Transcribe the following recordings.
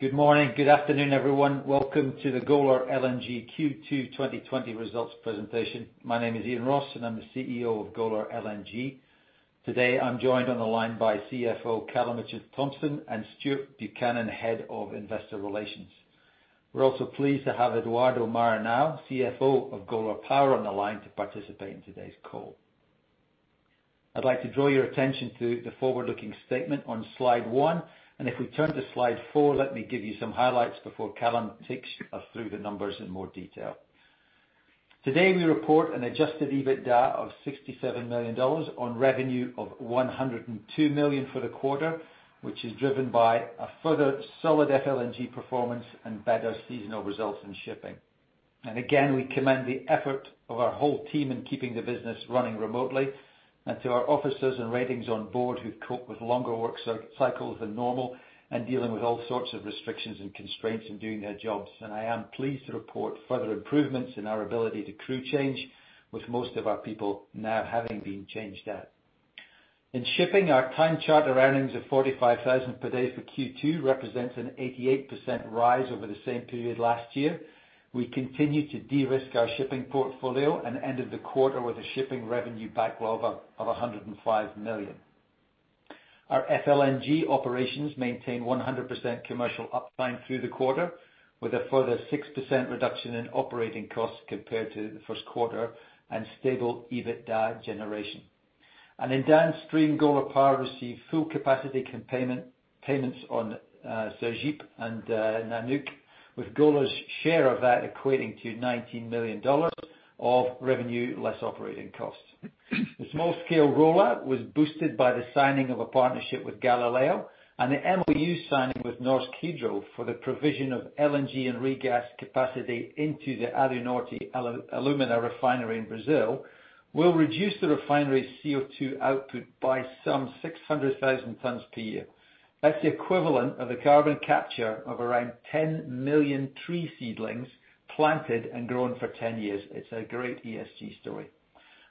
Good morning. Good afternoon, everyone. Welcome to the Golar LNG Q2 2020 results presentation. My name is Iain Ross, and I'm the CEO of Golar LNG. Today, I'm joined on the line by CFO Callum Mitchell-Thomson and Stuart Buchanan, Head of Investor Relations. We're also pleased to have Eduardo Maranhão, CFO of Golar Power, on the line to participate in today's call. I'd like to draw your attention to the forward-looking statement on slide one. If we turn to slide four, let me give you some highlights before Callum takes us through the numbers in more detail. Today, we report an adjusted EBITDA of $67 million on revenue of $102 million for the quarter, which is driven by a further solid FLNG performance and better seasonal results in shipping. Again, we commend the effort of our whole team in keeping the business running remotely and to our officers and ratings on board who've coped with longer work cycles than normal and dealing with all sorts of restrictions and constraints in doing their jobs. I am pleased to report further improvements in our ability to crew change, with most of our people now having been changed out. In shipping, our time charter earnings of $45,000 per day for Q2 represents an 88% rise over the same period last year. We continue to de-risk our shipping portfolio and ended the quarter with a shipping revenue backlog of $105 million. Our FLNG operations maintain 100% commercial uptime through the quarter, with a further 6% reduction in operating costs compared to the first quarter and stable EBITDA generation. In downstream, Golar Power received full capacity payments on Sergipe and Nanook, with Golar's share of that equating to $19 million of revenue less operating costs. The small-scale rollout was boosted by the signing of a partnership with Galileo and the MOU signing with Norsk Hydro for the provision of LNG and regas capacity into the Alunorte alumina refinery in Brazil will reduce the refinery CO2 output by some 600,000 tons per year. That's the equivalent of a carbon capture of around 10 million tree seedlings planted and grown for 10 years. It's a great ESG story.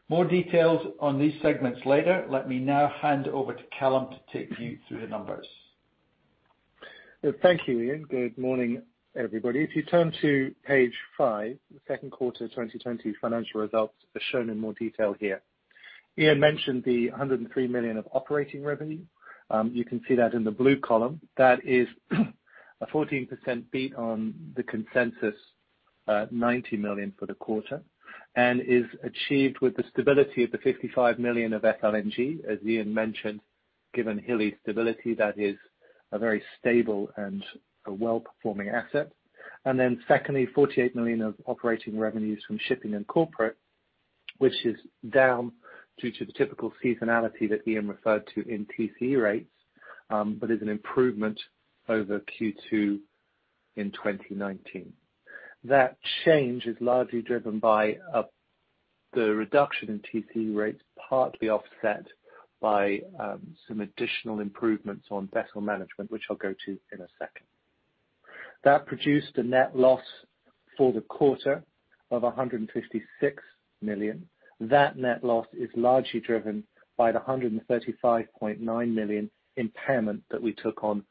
More details on these segments later. Let me now hand over to Callum to take you through the numbers. Thank you, Iain. Good morning, everybody. If you turn to page five, the second quarter 2020 financial results are shown in more detail here. Iain mentioned the $103 million of operating revenue. You can see that in the blue column. That is a 14% beat on the consensus, $90 million for the quarter, and is achieved with the stability of the $55 million of FLNG, as Iain mentioned, given Hilli's stability, that is a very stable and a well-performing asset. Secondly, $48 million of operating revenues from shipping and corporate, which is down due to the typical seasonality that Iain referred to in TC rates, but is an improvement over Q2 2019. That change is largely driven by the reduction in TC rates, partly offset by some additional improvements on vessel management, which I'll go to in a second. That produced a net loss for the quarter of $156 million. That net loss is largely driven by the $135.9 million impairment that we took on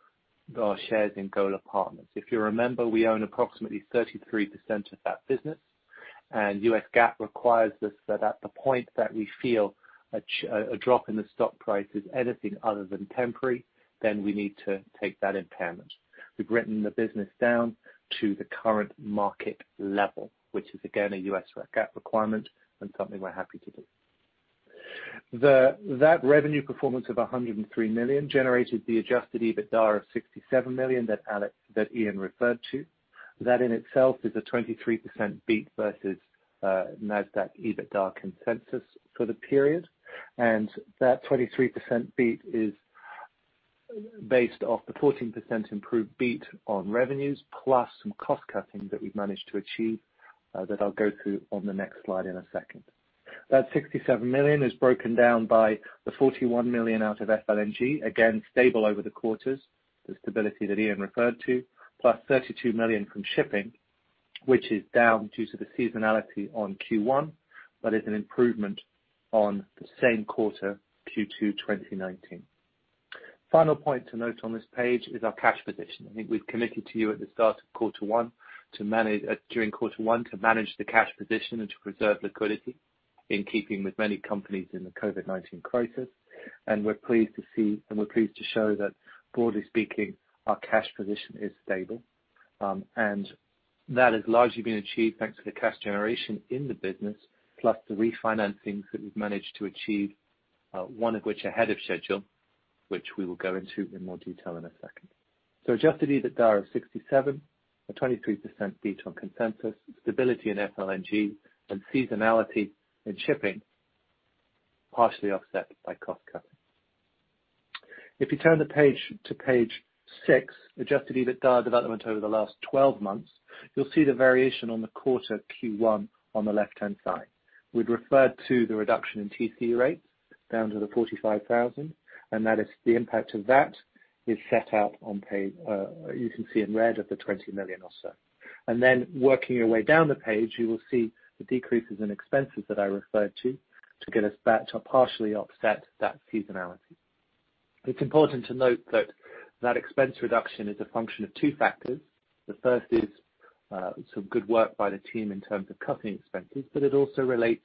our shares in Golar Partners. If you remember, we own approximately 33% of that business, and U.S. GAAP requires us that at the point that we feel a drop in the stock price is anything other than temporary, then we need to take that impairment. We've written the business down to the current market level, which is again, a U.S. GAAP requirement and something we're happy to do. That revenue performance of $103 million generated the adjusted EBITDA of $67 million that Iain referred to. That in itself is a 23% beat versus NASDAQ EBITDA consensus for the period. That 23% beat is based off the 14% improved beat on revenues plus some cost-cutting that we've managed to achieve, that I'll go through on the next slide in a second. That $67 million is broken down by the $41 million out of FLNG. Again, stable over the quarters, the stability that Iain referred to. Plus $32 million from shipping, which is down due to the seasonality on Q1, but is an improvement on the same quarter, Q2 2019. Final point to note on this page is our cash position. I think we've committed to you during quarter one to manage the cash position and to preserve liquidity in keeping with many companies in the COVID-19 crisis. We're pleased to show that broadly speaking, our cash position is stable. That has largely been achieved thanks to the cash generation in the business, plus the refinancings that we've managed to achieve, one of which ahead of schedule, which we will go into in more detail in a second. Adjusted EBITDA of $67 million, a 23% beat on consensus, stability in FLNG, and seasonality in shipping, partially offset by cost cutting. If you turn the page to page six, adjusted EBITDA development over the last 12 months, you'll see the variation on the quarter Q1 on the left-hand side. We'd referred to the reduction in TC rates down to the 45,000, and the impact of that is set out. You can see in red of the $20 million or so. Working your way down the page, you will see the decreases in expenses that I referred to get us back to partially offset that seasonality. It's important to note that expense reduction is a function of two factors. The first is some good work by the team in terms of cutting expenses, but it also relates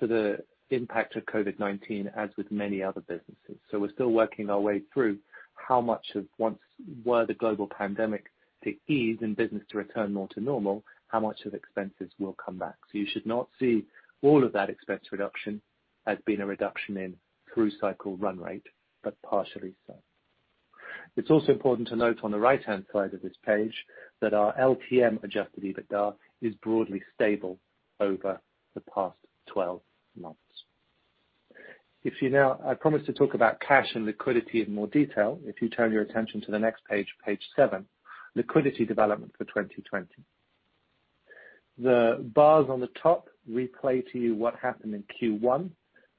to the impact of COVID-19, as with many other businesses. We're still working our way through how much of once were the global pandemic to ease and business to return more to normal, how much of expenses will come back. You should not see all of that expense reduction as being a reduction in through cycle run rate, but partially so. It's also important to note on the right-hand side of this page that our LTM adjusted EBITDA is broadly stable over the past 12 months. I promise to talk about cash and liquidity in more detail. If you turn your attention to the next page seven, liquidity development for 2020. The bars on the top replay to you what happened in Q1.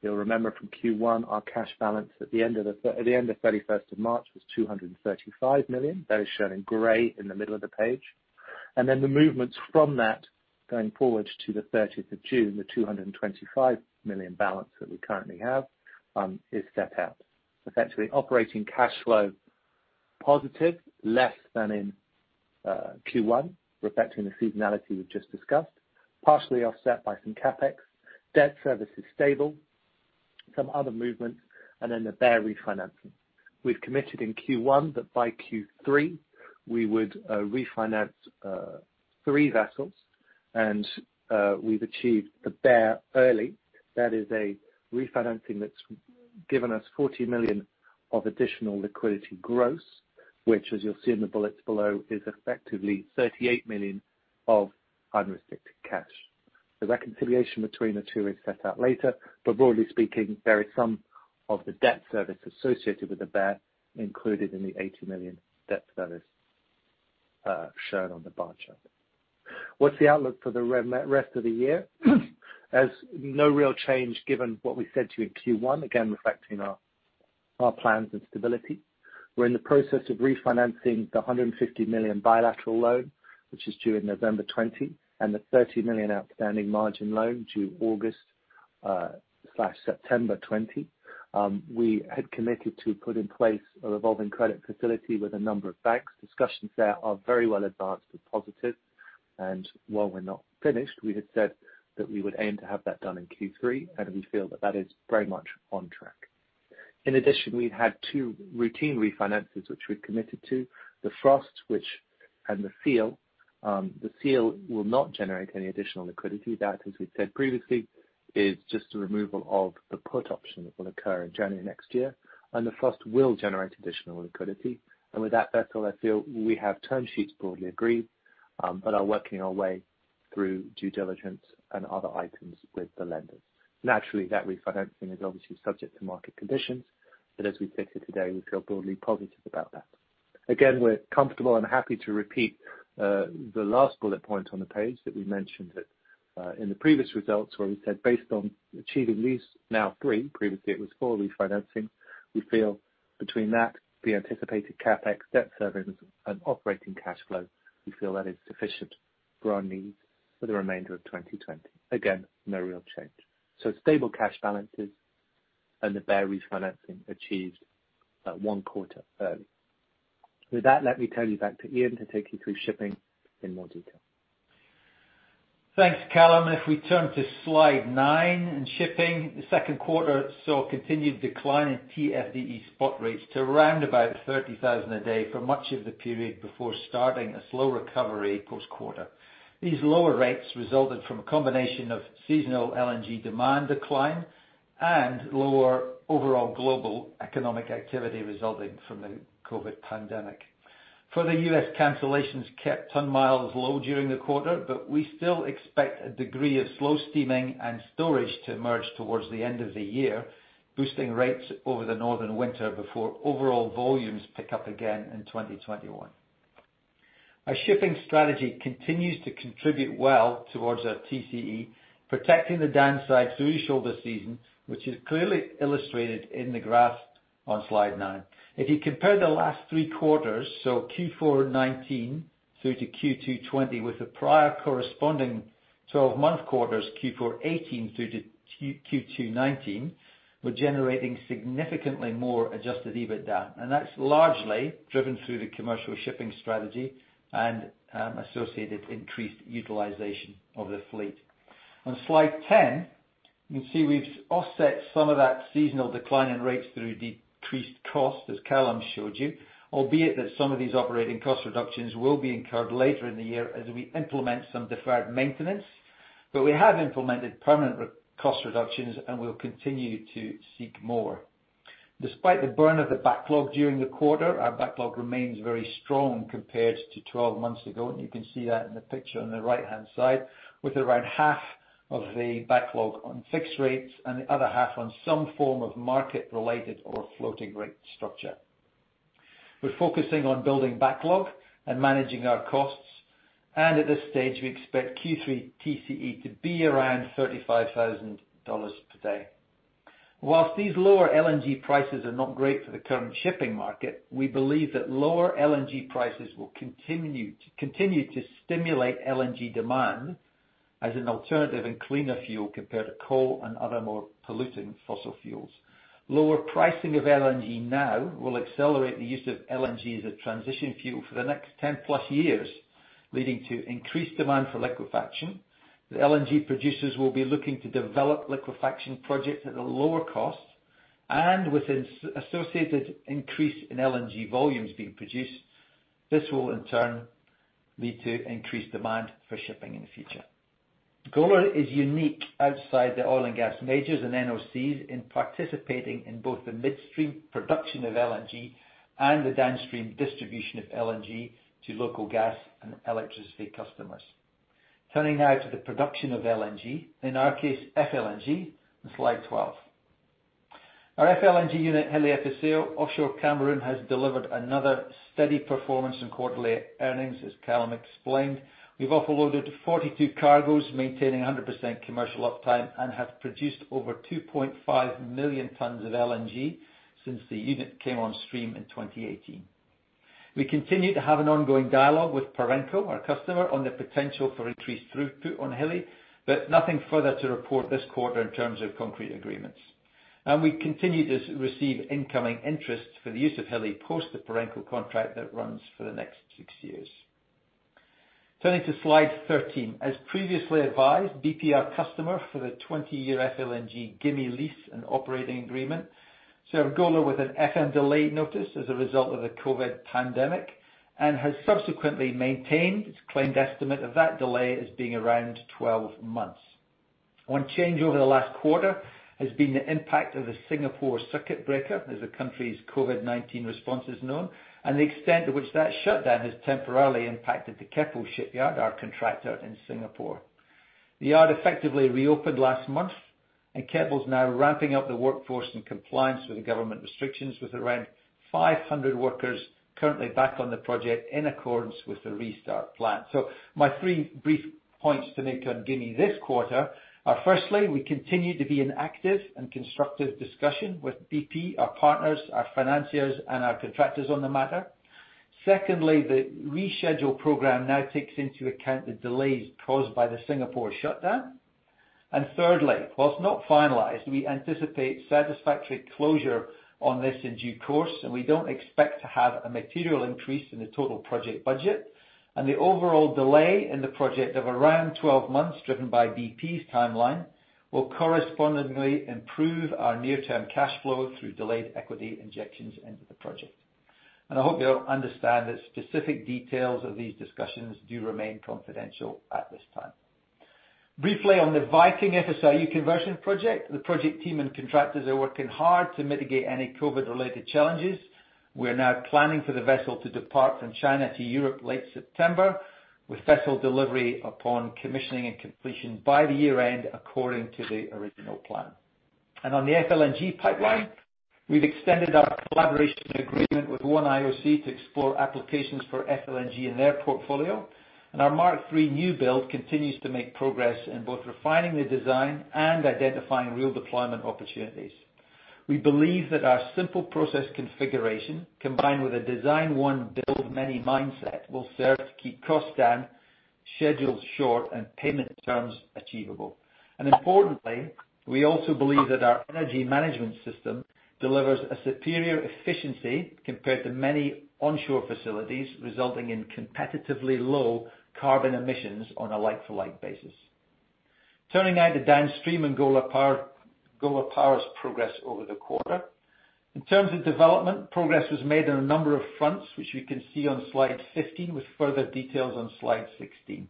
You'll remember from Q1, our cash balance at the end of March 31st was $235 million. That is shown in gray in the middle of the page. The movements from that going forward to the June 30th, the $225 million balance that we currently have is set out. Essentially operating cash flow positive, less than in Q1, reflecting the seasonality we've just discussed, partially offset by some CapEx. Debt service is stable. Some other movements and then the Bear refinancing. We've committed in Q1 that by Q3 we would refinance three vessels, and we've achieved the Bear early. That is a refinancing that's given us $40 million of additional liquidity gross, which as you'll see in the bullets below, is effectively $38 million of unrestricted cash. The reconciliation between the two is set out later. Broadly speaking, there is some of the debt service associated with the Bear included in the $80 million debt service shown on the bar chart. What's the outlook for the rest of the year? There's no real change given what we said to you in Q1, again, reflecting our plans and stability. We're in the process of refinancing the $150 million bilateral loan, which is due in November 2020, and the $30 million outstanding margin loan due August/September 2020. We had committed to put in place a revolving credit facility with a number of banks. Discussions there are very well advanced with positive. While we're not finished, we had said that we would aim to have that done in Q3. We feel that that is very much on track. In addition, we've had two routine refinances which we've committed to, the Frost and the Seal. The Seal will not generate any additional liquidity. That, as we've said previously, is just a removal of the put option that will occur in January next year. The Frost will generate additional liquidity. With that vessel, I feel we have term sheets broadly agreed, but are working our way through due diligence and other items with the lenders. Naturally, that refinancing is obviously subject to market conditions, but as we sit here today, we feel broadly positive about that. We're comfortable and happy to repeat, the last bullet point on the page that we mentioned it in the previous results where we said based on achieving these now three, previously it was four refinancings. We feel between that the anticipated CapEx debt service and operating cash flow, we feel that is sufficient for our needs for the remainder of 2020. No real change. stable cash balances and the Bear refinancing achieved one quarter early. With that, let me turn you back to Iain to take you through shipping in more detail. Thanks, Callum. If we turn to slide nine in shipping, the second quarter saw continued decline in TFDE spot rates to around about $30,000 a day for much of the period before starting a slow recovery post quarter. These lower rates resulted from a combination of seasonal LNG demand decline and lower overall global economic activity resulting from the COVID-19 pandemic. For the U.S., cancellations kept ton miles low during the quarter. We still expect a degree of slow steaming and storage to emerge towards the end of the year, boosting rates over the northern winter before overall volumes pick up again in 2021. Our shipping strategy continues to contribute well towards our TCE, protecting the downside through shoulder season, which is clearly illustrated in the graph on slide nine. If you compare the last three quarters, Q4 2019 through to Q2 2020 with the prior corresponding 12-month quarters, Q4 2018 through to Q2 2019, we're generating significantly more adjusted EBITDA. That's largely driven through the commercial shipping strategy and associated increased utilization of the fleet. On slide 10, you can see we've offset some of that seasonal decline in rates through decreased cost, as Callum showed you. Albeit that some of these operating cost reductions will be incurred later in the year as we implement some deferred maintenance. We have implemented permanent cost reductions and will continue to seek more. Despite the burn of the backlog during the quarter, our backlog remains very strong compared to 12 months ago, and you can see that in the picture on the right-hand side, with around half of the backlog on fixed rates and the other half on some form of market-related or floating rate structure. We're focusing on building backlog and managing our costs. At this stage, we expect Q3 TCE to be around $35,000 per day. Whilst these lower LNG prices are not great for the current shipping market, we believe that lower LNG prices will continue to stimulate LNG demand as an alternative and cleaner fuel compared to coal and other more polluting fossil fuels. Lower pricing of LNG now will accelerate the use of LNG as a transition fuel for the next 10+ years, leading to increased demand for liquefaction. The LNG producers will be looking to develop liquefaction projects at a lower cost and with associated increase in LNG volumes being produced. This will in turn lead to increased demand for shipping in the future. Golar is unique outside the oil and gas majors and NOCs in participating in both the midstream production of LNG and the downstream distribution of LNG to local gas and electricity customers. Turning now to the production of LNG, in our case FLNG on slide 12. Our FLNG unit, Hilli Episeyo offshore Cameroon, has delivered another steady performance in quarterly earnings, as Callum explained. We've offloaded 42 cargoes, maintaining 100% commercial uptime, and have produced over 2.5 million tons of LNG since the unit came on stream in 2018. We continue to have an ongoing dialogue with Perenco, our customer, on the potential for increased throughput on Hilli, but nothing further to report this quarter in terms of concrete agreements. We continue to receive incoming interest for the use of Hilli post the Perenco contract that runs for the next six years. Turning to slide 13. As previously advised, BP, our customer for the 20-year FLNG Gimi lease and operating agreement, served Golar with an FM delayed notice as a result of the COVID pandemic, and has subsequently maintained its claimed estimate of that delay as being around 12 months. One change over the last quarter has been the impact of the Singapore circuit breaker, as the country's COVID-19 response is known, and the extent to which that shutdown has temporarily impacted the Keppel Shipyard, our contractor in Singapore. The yard effectively reopened last month. Keppel is now ramping up the workforce in compliance with the government restrictions, with around 500 workers currently back on the project in accordance with the restart plan. My three brief points to make on Gimi this quarter are, firstly, we continue to be in active and constructive discussion with BP, our partners, our financiers and our contractors on the matter. Secondly, the reschedule program now takes into account the delays caused by the Singapore shutdown. Thirdly, whilst not finalized, we anticipate satisfactory closure on this in due course, and we don't expect to have a material increase in the total project budget. The overall delay in the project of around 12 months, driven by BP's timeline, will correspondingly improve our near-term cash flow through delayed equity injections into the project. I hope you'll understand that specific details of these discussions do remain confidential at this time. Briefly on the Viking FSRU conversion project, the project team and contractors are working hard to mitigate any COVID-related challenges. We are now planning for the vessel to depart from China to Europe late September, with vessel delivery upon commissioning and completion by the year-end, according to the original plan. On the FLNG pipeline, we've extended our collaboration agreement with one IOC to explore applications for FLNG in their portfolio. Our Mark III new build continues to make progress in both refining the design and identifying real deployment opportunities. We believe that our simple process configuration, combined with a design one build many mindset, will serve to keep costs down, schedules short and payment terms achievable. Importantly, we also believe that our energy management system delivers a superior efficiency compared to many onshore facilities, resulting in competitively low carbon emissions on a like-for-like basis. Turning now to downstream and Golar Power's progress over the quarter. In terms of development, progress was made on a number of fronts, which you can see on slide 15 with further details on slide 16.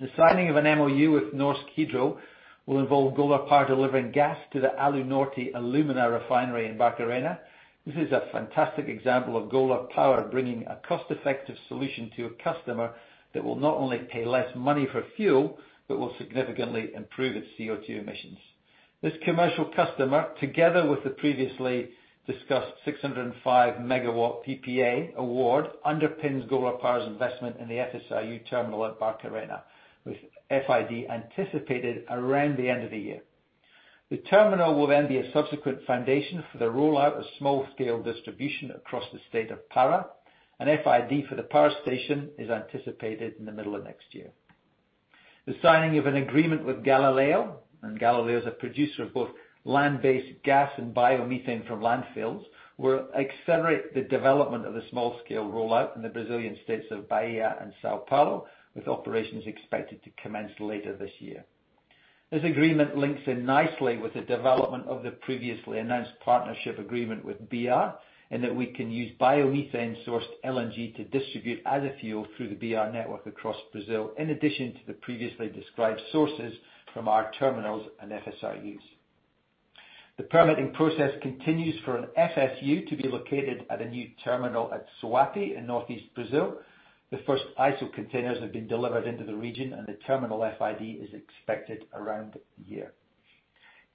The signing of an MOU with Norsk Hydro will involve Golar Power delivering gas to the Alunorte alumina refinery in Barcarena. This is a fantastic example of Golar Power bringing a cost-effective solution to a customer that will not only pay less money for fuel but will significantly improve its CO2 emissions. This commercial customer, together with the previously discussed 605 MW PPA award, underpins Golar Power's investment in the FSRU terminal at Barcarena, with FID anticipated around the end of the year. The terminal will then be a subsequent foundation for the rollout of small-scale distribution across the state of Pará, and FID for the power station is anticipated in the middle of next year. The signing of an agreement with Galileo, and Galileo is a producer of both land-based gas and biomethane from landfills, will accelerate the development of the small-scale rollout in the Brazilian states of Bahia and São Paulo, with operations expected to commence later this year. This agreement links in nicely with the development of the previously announced partnership agreement with BR, in that we can use biomethane-sourced LNG to distribute as a fuel through the BR network across Brazil, in addition to the previously described sources from our terminals and FSRUs. The permitting process continues for an FSU to be located at a new terminal at Suape in northeast Brazil. The first ISO containers have been delivered into the region and the terminal FID is expected around the year.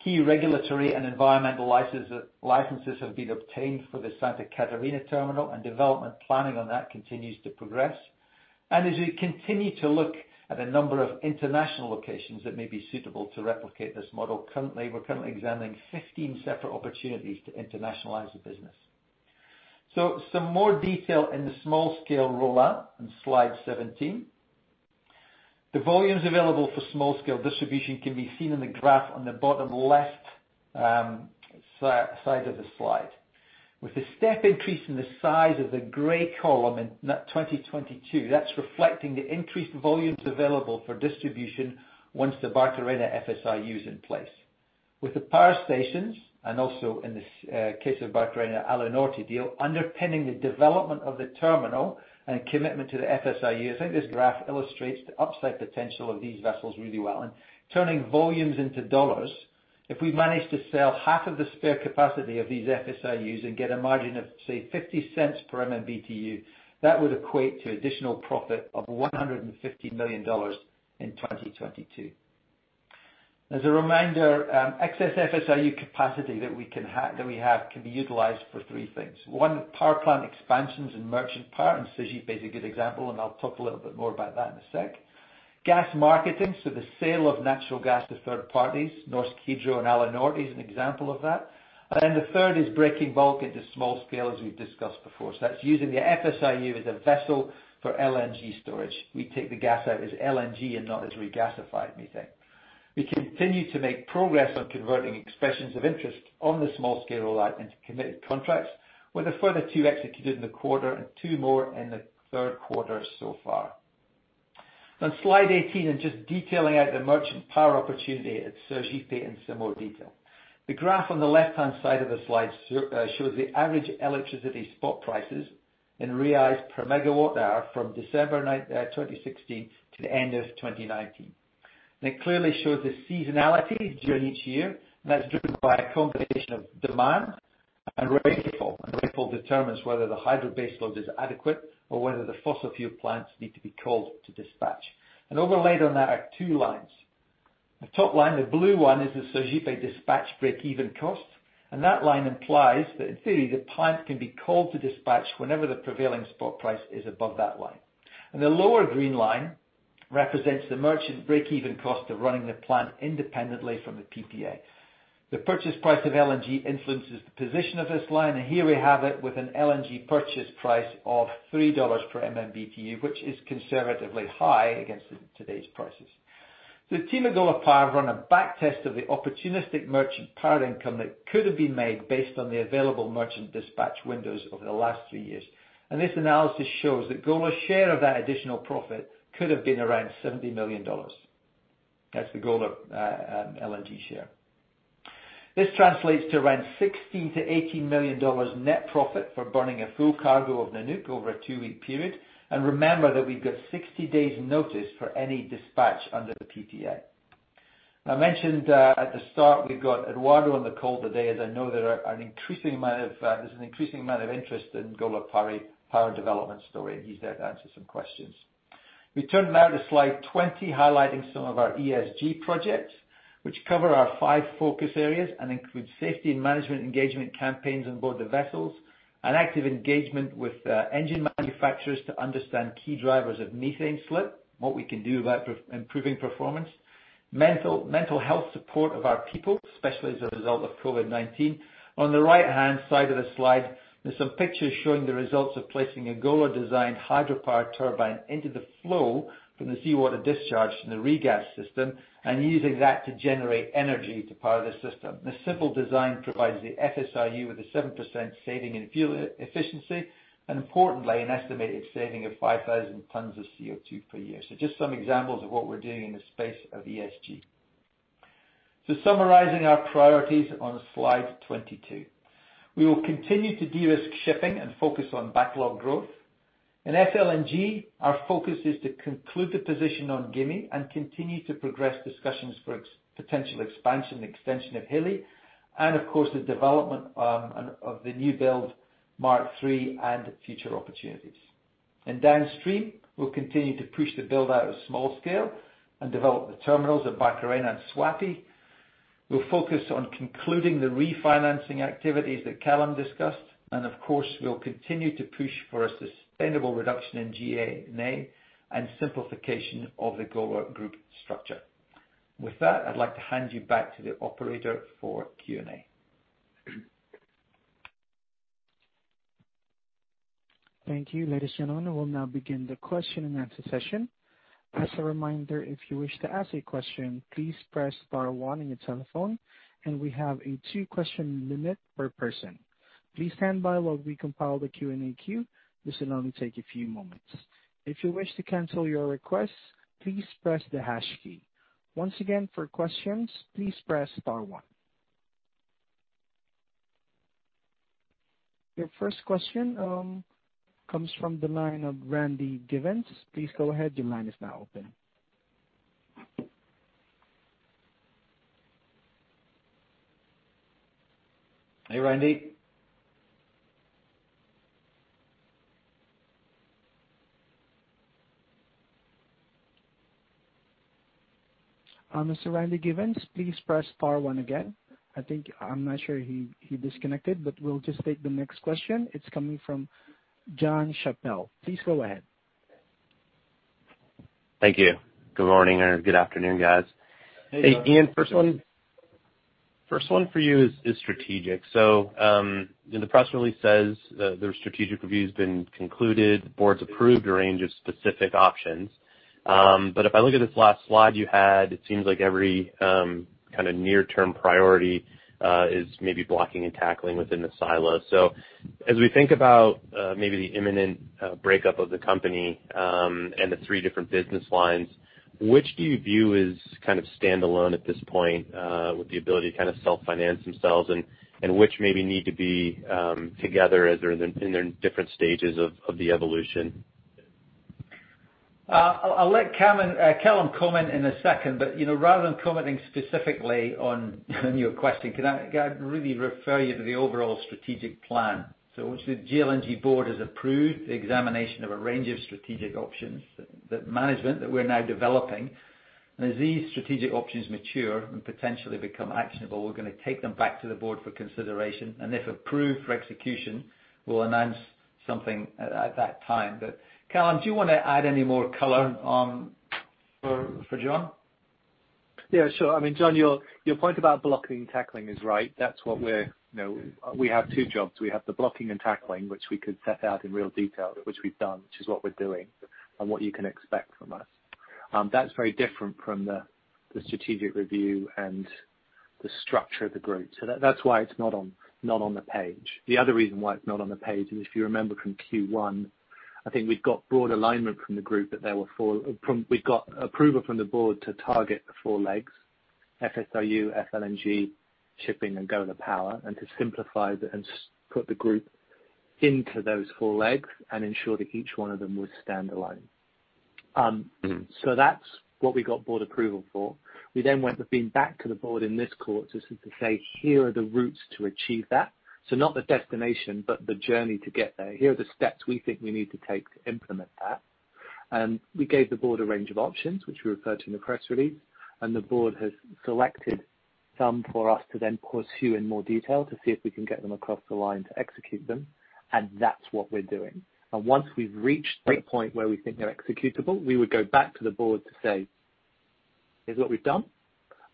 Key regulatory and environmental licenses have been obtained for the Santa Catarina terminal and development planning on that continues to progress. As we continue to look at a number of international locations that may be suitable to replicate this model, we're currently examining 15 separate opportunities to internationalize the business. Some more detail in the small-scale rollout on slide 17. The volumes available for small-scale distribution can be seen in the graph on the bottom left side of the slide. With the step increase in the size of the gray column in 2022, that's reflecting the increased volumes available for distribution once the Barcarena FSRU is in place. With the power stations, and also in the case of Barcarena, Alunorte deal underpinning the development of the terminal and a commitment to the FSRU, I think this graph illustrates the upside potential of these vessels really well. Turning volumes into dollars, if we manage to sell half of the spare capacity of these FSRUs and get a margin of, say, $0.50 per MMBtu, that would equate to additional profit of $150 million in 2022. As a reminder, excess FSRU capacity that we have can be utilized for three things. One, power plant expansions and merchant power, and Sergipe is a good example, and I'll talk a little bit more about that in a sec. Gas marketing, so the sale of natural gas to third parties. Norsk Hydro and Alunorte is an example of that. The third is breaking bulk into small scale, as we've discussed before. That's using the FSRU as a vessel for LNG storage. We take the gas out as LNG and not as regasified methane. We continue to make progress on converting expressions of interest on the small scale rollout into committed contracts, with a further two executed in the quarter and two more in the third quarter so far. On slide 18, just detailing out the merchant power opportunity at Sergipe in some more detail. The graph on the left-hand side of the slide shows the average electricity spot prices in BRL per megawatt hour from December 2016 to the end of 2019. It clearly shows the seasonality during each year, and that's driven by a combination of demand and rainfall. Rainfall determines whether the hydro base load is adequate or whether the fossil fuel plants need to be called to dispatch. Overlaid on that are two lines. The top line, the blue one, is the Sergipe dispatch break-even cost. That line implies that in theory, the plant can be called to dispatch whenever the prevailing spot price is above that line. The lower green line represents the merchant break-even cost of running the plant independently from the PPA. The purchase price of LNG influences the position of this line. Here we have it with an LNG purchase price of $3 per MMBtu, which is conservatively high against today's prices. The team at Golar Power run a back test of the opportunistic merchant power income that could have been made based on the available merchant dispatch windows over the last three years. This analysis shows that Golar's share of that additional profit could have been around $70 million. That's the Golar LNG share. This translates to around $16 million-$18 million net profit for burning a full cargo of Nanook over a two-week period. Remember that we've got 60 days notice for any dispatch under the PPA. I mentioned at the start we've got Eduardo on the call today, as I know there's an increasing amount of interest in Golar Power development story, and he's there to answer some questions. We turn now to slide 20, highlighting some of our ESG projects, which cover our five focus areas and include safety and management engagement campaigns on board the vessels and active engagement with engine manufacturers to understand key drivers of methane slip, what we can do about improving performance, mental health support of our people, especially as a result of COVID-19. On the right-hand side of the slide, there's some pictures showing the results of placing a Golar designed hydropower turbine into the flow from the seawater discharge from the regas system and using that to generate energy to power the system. This simple design provides the FSRU with a 7% saving in fuel efficiency and importantly, an estimated saving of 5,000 tonnes of CO2 per year. Just some examples of what we're doing in the space of ESG. Summarizing our priorities on slide 22. We will continue to de-risk shipping and focus on backlog growth. In FLNG, our focus is to conclude the position on Gimi and continue to progress discussions for potential expansion and extension of Hilli, and of course, the development of the new build Mark III and future opportunities. In downstream, we'll continue to push the build-out of small scale and develop the terminals at Barcarena and Suape. We'll focus on concluding the refinancing activities that Callum discussed, and of course, we'll continue to push for a sustainable reduction in G&A and simplification of the Golar group structure. With that, I'd like to hand you back to the operator for Q&A. Thank you. Ladies and gentlemen, we'll now begin the question and answer session. As a reminder, if you wish to ask a question, please press star one on your telephone, and we have a two-question limit per person. Please stand by while we compile the Q&A queue; this will only take a few moments. If you wish to cancel your request, please press the hash key. Once again, for questions, please press star one. Your first question comes from the line of Randy Giveans. Please go ahead. Your line is now open. Hey, Randy. Mr. Randy Giveans, please press star one again. I think, I'm not sure, he disconnected, but we'll just take the next question. It's coming from Jon Chappell. Please go ahead. Thank you. Good morning, or good afternoon, guys. Hey, Jon. Iain, first one for you is strategic. The press release says that the strategic review's been concluded, the board's approved a range of specific options. If I look at this last slide you had, it seems like every near-term priority is maybe blocking and tackling within the silo. As we think about maybe the imminent breakup of the company, and the three different business lines, which do you view as standalone at this point with the ability to self-finance themselves and which maybe need to be together as they're in their different stages of the evolution? I'll let Callum comment in a second, but rather than commenting specifically on your question, can I really refer you to the overall strategic plan? The GLNG board has approved the examination of a range of strategic options that management that we're now developing. As these strategic options mature and potentially become actionable, we're going to take them back to the board for consideration. If approved for execution, we'll announce something at that time. Callum, do you want to add any more color on for Jon? Yeah, sure. Jon, your point about blocking and tackling is right. We have two jobs. We have the blocking and tackling, which we could set out in real detail, which we've done, which is what we're doing, and what you can expect from us. That's very different from the strategic review and the structure of the group. That's why it's not on the page. The other reason why it's not on the page is if you remember from Q1, I think we've got broad alignment from the group that we got approval from the board to target the four legs, FSRU, FLNG, Shipping, and Golar Power, and to simplify and put the group into those four legs and ensure that each one of them was standalone. That's what we got board approval for. We then went with being back to the board in this quarter to say, "Here are the routes to achieve that." Not the destination, but the journey to get there. Here are the steps we think we need to take to implement that. We gave the board a range of options, which we referred to in the press release, and the board has selected some for us to then pursue in more detail to see if we can get them across the line to execute them. That's what we're doing. And once we've reached the point where we think they're executable, we would go back to the board to say, "Here's what we've done.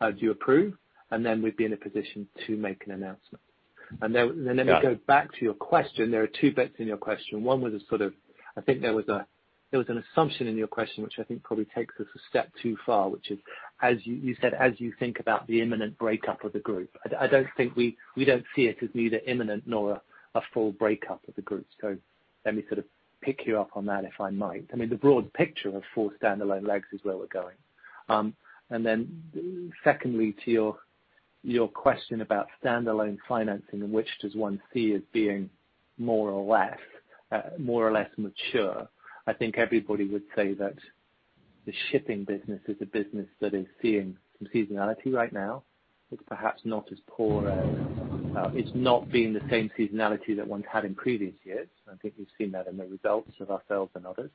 Do you approve?" And then we'd be in a position to make an announcement. Got it. Let me go back to your question. There are two bits in your question. One was a sort of, I think there was an assumption in your question, which I think probably takes us a step too far, which is, you said, as you think about the imminent breakup of the group. We don't see it as neither imminent nor a full breakup of the group. Let me sort of pick you up on that, if I might. The broad picture of four standalone legs is where we're going. Secondly, to your question about standalone financing and which does one see as being more or less mature. I think everybody would say that the shipping business is a business that is seeing some seasonality right now. It's perhaps not as poor as it's not been the same seasonality that one's had in previous years. I think we've seen that in the results of ourselves and others.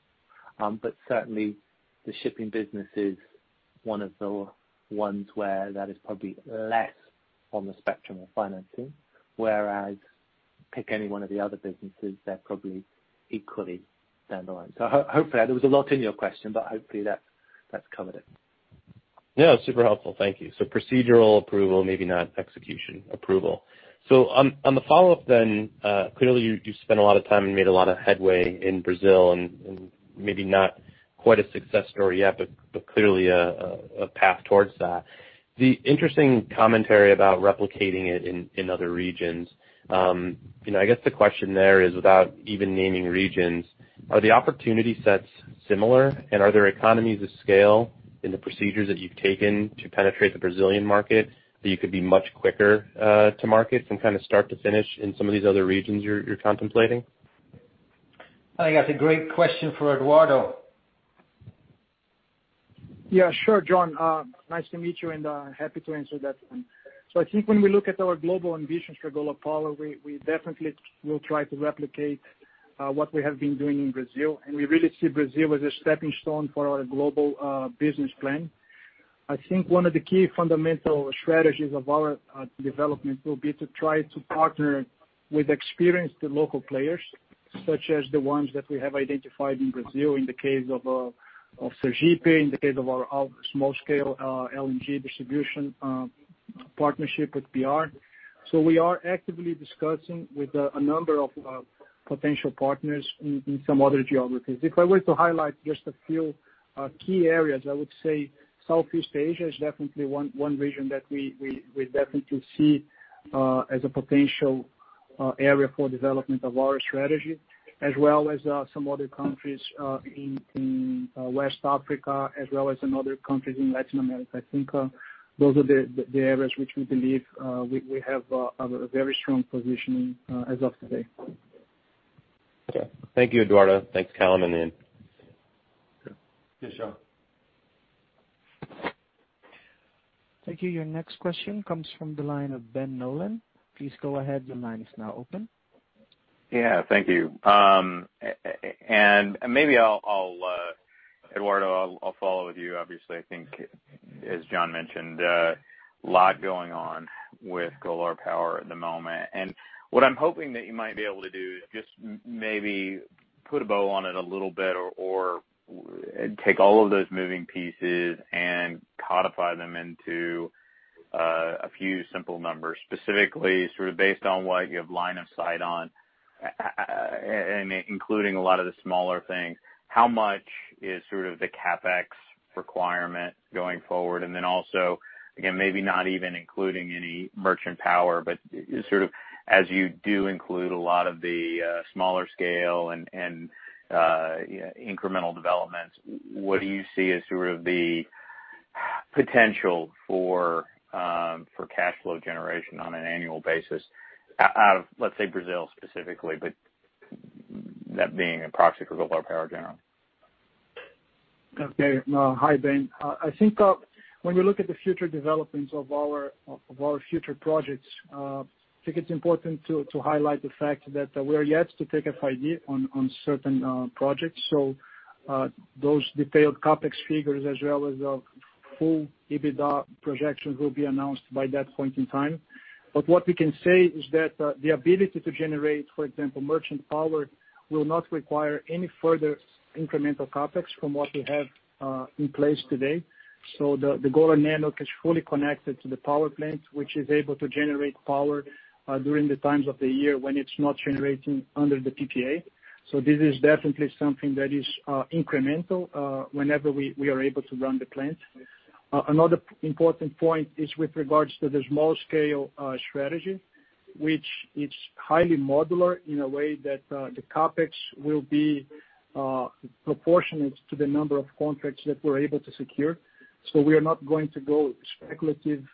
Certainly the shipping business is one of the ones where that is probably less on the spectrum of financing. Whereas pick any one of the other businesses, they're probably equally standalone. There was a lot in your question, but hopefully that's covered it. Yeah. Super helpful. Thank you. Procedural approval, maybe not execution approval. On the follow-up, clearly you've spent a lot of time and made a lot of headway in Brazil and maybe not quite a success story yet, but clearly a path towards that. The interesting commentary about replicating it in other regions. I guess the question there is, without even naming regions, are the opportunity sets similar? Are there economies of scale in the procedures that you've taken to penetrate the Brazilian market, that you could be much quicker to market from start to finish in some of these other regions you're contemplating? I think that's a great question for Eduardo. Yeah, sure, Jon. Nice to meet you, and happy to answer that. I think when we look at our global ambitions for Golar Power, we definitely will try to replicate what we have been doing in Brazil. We really see Brazil as a stepping stone for our global business plan. I think one of the key fundamental strategies of our development will be to try to partner with experienced local players, such as the ones that we have identified in Brazil in the case of Sergipe, in the case of our small-scale LNG distribution partnership with BR. We are actively discussing with a number of potential partners in some other geographies. If I were to highlight just a few key areas, I would say Southeast Asia is definitely one region that we definitely see as a potential area for development of our strategy, as well as some other countries in West Africa, as well as in other countries in Latin America. I think those are the areas which we believe we have a very strong position as of today. Okay. Thank you, Eduardo. Thanks, Callum and Iain. Okay. Thank you. Your next question comes from the line of Ben Nolan. Please go ahead. Your line is now open. Yeah. Thank you. Maybe, Eduardo, I'll follow with you. Obviously, I think, as Jon mentioned, a lot going on with Golar Power at the moment. What I'm hoping that you might be able to do is just maybe put a bow on it a little bit or take all of those moving pieces and codify them into a few simple numbers, specifically sort of based on what you have line of sight on, and including a lot of the smaller things. How much is sort of the CapEx requirement going forward? Also, again, maybe not even including any merchant power, but as you include a lot of the smaller scale and incremental developments, what do you see as the potential for cash flow generation on an annual basis out of, let's say, Brazil specifically, but that being approximate to Golar Power general? Okay. Hi, Ben. I think when we look at the future developments of our future projects, I think it's important to highlight the fact that we're yet to take FID on certain projects. Those detailed CapEx figures as well as the full EBITDA projections will be announced by that point in time. What we can say is that the ability to generate, for example, merchant power, will not require any further incremental CapEx from what we have in place today. The Golar Nanook is fully connected to the power plant, which is able to generate power during the times of the year when it's not generating under the PPA. This is definitely something that is incremental, whenever we are able to run the plant. Another important point is with regards to the small scale strategy, which is highly modular in a way that the CapEx will be proportionate to the number of contracts that we're able to secure. We are not going to go speculative,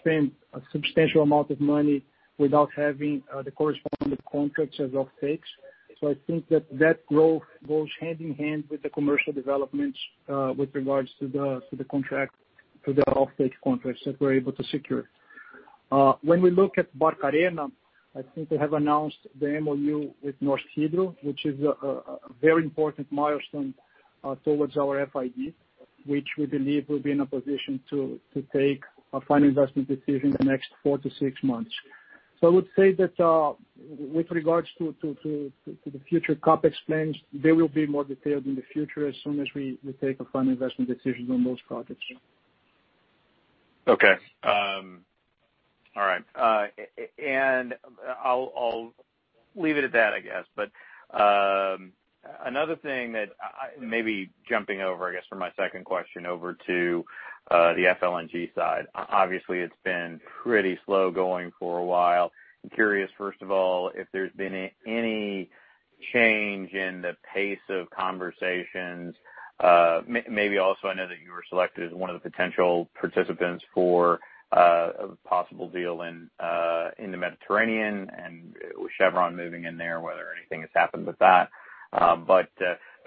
spend a substantial amount of money without having the corresponding contracts as off takes. I think that that growth goes hand in hand with the commercial developments, with regards to the contract, to the off take contracts that we're able to secure. When we look at Barcarena, I think we have announced the MOU with Norsk Hydro, which is a very important milestone towards our FID. Which we believe will be in a position to take a final investment decision in the next four to six months. I would say that, with regards to the future CapEx plans, they will be more detailed in the future as soon as we take a final investment decision on those projects. Okay. All right. I'll leave it at that, I guess. Another thing that, maybe jumping over, I guess, from my second question over to the FLNG side, obviously it's been pretty slow going for a while. I'm curious, first of all, if there's been any change in the pace of conversations. Maybe also, I know that you were selected as one of the potential participants for a possible deal in the Mediterranean and with Chevron moving in there, whether anything has happened with that.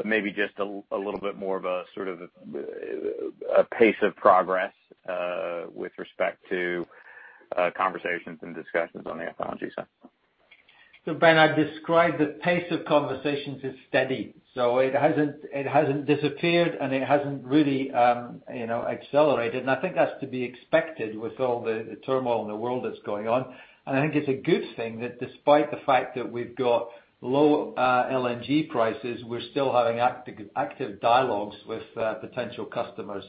Maybe just a little bit more of a sort of a pace of progress, with respect to conversations and discussions on the FLNG side. Ben, I'd describe the pace of conversations as steady. It hasn't disappeared, and it hasn't really accelerated, and I think that's to be expected with all the turmoil in the world that's going on. I think it's a good thing that despite the fact that we've got low LNG prices, we're still having active dialogues with potential customers.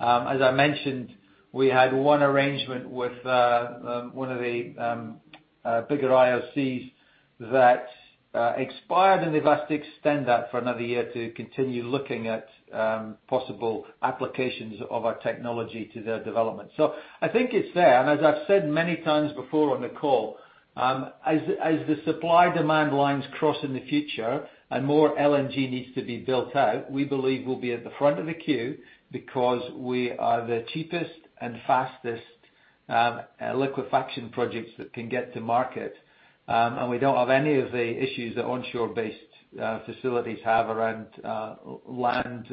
As I mentioned, we had one arrangement with one of the bigger IOCs that expired, and they've had to extend that for another year to continue looking at possible applications of our technology to their development. I think it's there, as I've said many times before on the call, as the supply-demand lines cross in the future and more LNG needs to be built out, we believe we'll be at the front of the queue because we are the cheapest and fastest liquefaction projects that can get to market. We don't have any of the issues that onshore-based facilities have around land,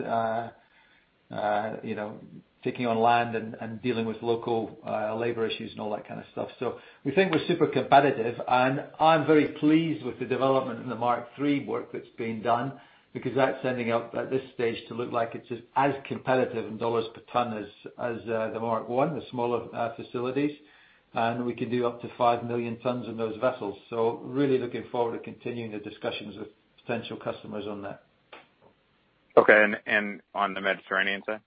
taking on land and dealing with local labor issues and all that kind of stuff. We think we're super competitive, I'm very pleased with the development in the Mark III work that's being done, because that's ending up at this stage to look like it's as competitive in dollars per ton as the Mark I, the smaller facilities. We can do up to 5 million tons in those vessels. Really looking forward to continuing the discussions with potential customers on that. Okay. On the Mediterranean side?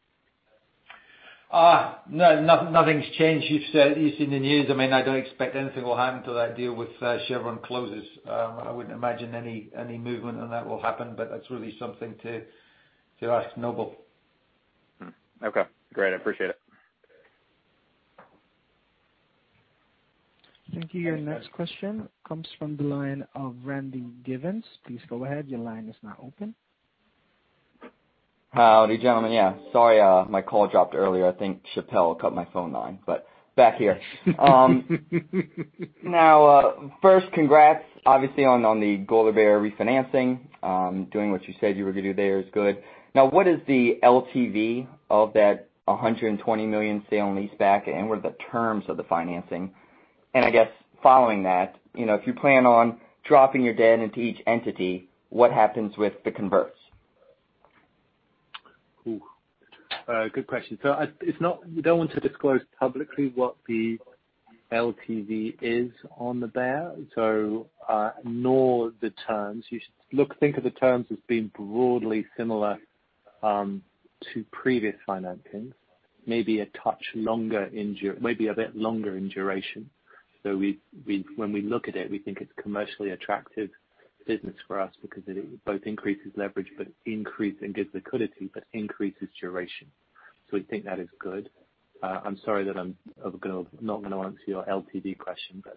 No, nothing's changed. You've seen the news. I mean, I don't expect anything will happen till that deal with Chevron closes. I wouldn't imagine any movement on that will happen, but that's really something to ask Noble. Okay, great. I appreciate it. Thank you. Your next question comes from the line of Randy Giveans. Please go ahead. Your line is now open. Howdy, gentlemen. Yeah, sorry, my call dropped earlier. I think Chappell cut my phone line. Back here. First congrats obviously on the Golar Bear refinancing. Doing what you said you were going to do there is good. What is the LTV of that $120 million sale and lease back? What are the terms of the financing? I guess following that, if you plan on dropping your debt into each entity, what happens with the converts? Good question. We don't want to disclose publicly what the LTV is on there, nor the terms. Think of the terms as being broadly similar to previous financings, maybe a bit longer in duration. When we look at it, we think it's commercially attractive business for us because it both increases leverage and gives liquidity, but increases duration. We think that is good. I'm sorry that I'm not going to answer your LTV question, but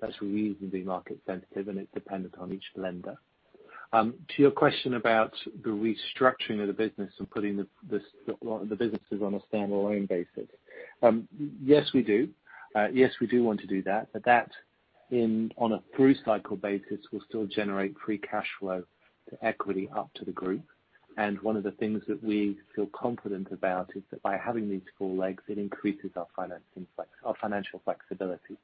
that's reasonably market sensitive, and it's dependent on each lender. To your question about the restructuring of the business and putting the businesses on a standalone basis, yes, we do want to do that, but that on a through-cycle basis, will still generate free cash flow to equity up to the group. One of the things that we feel confident about is that by having these four legs, it increases our financial flexibility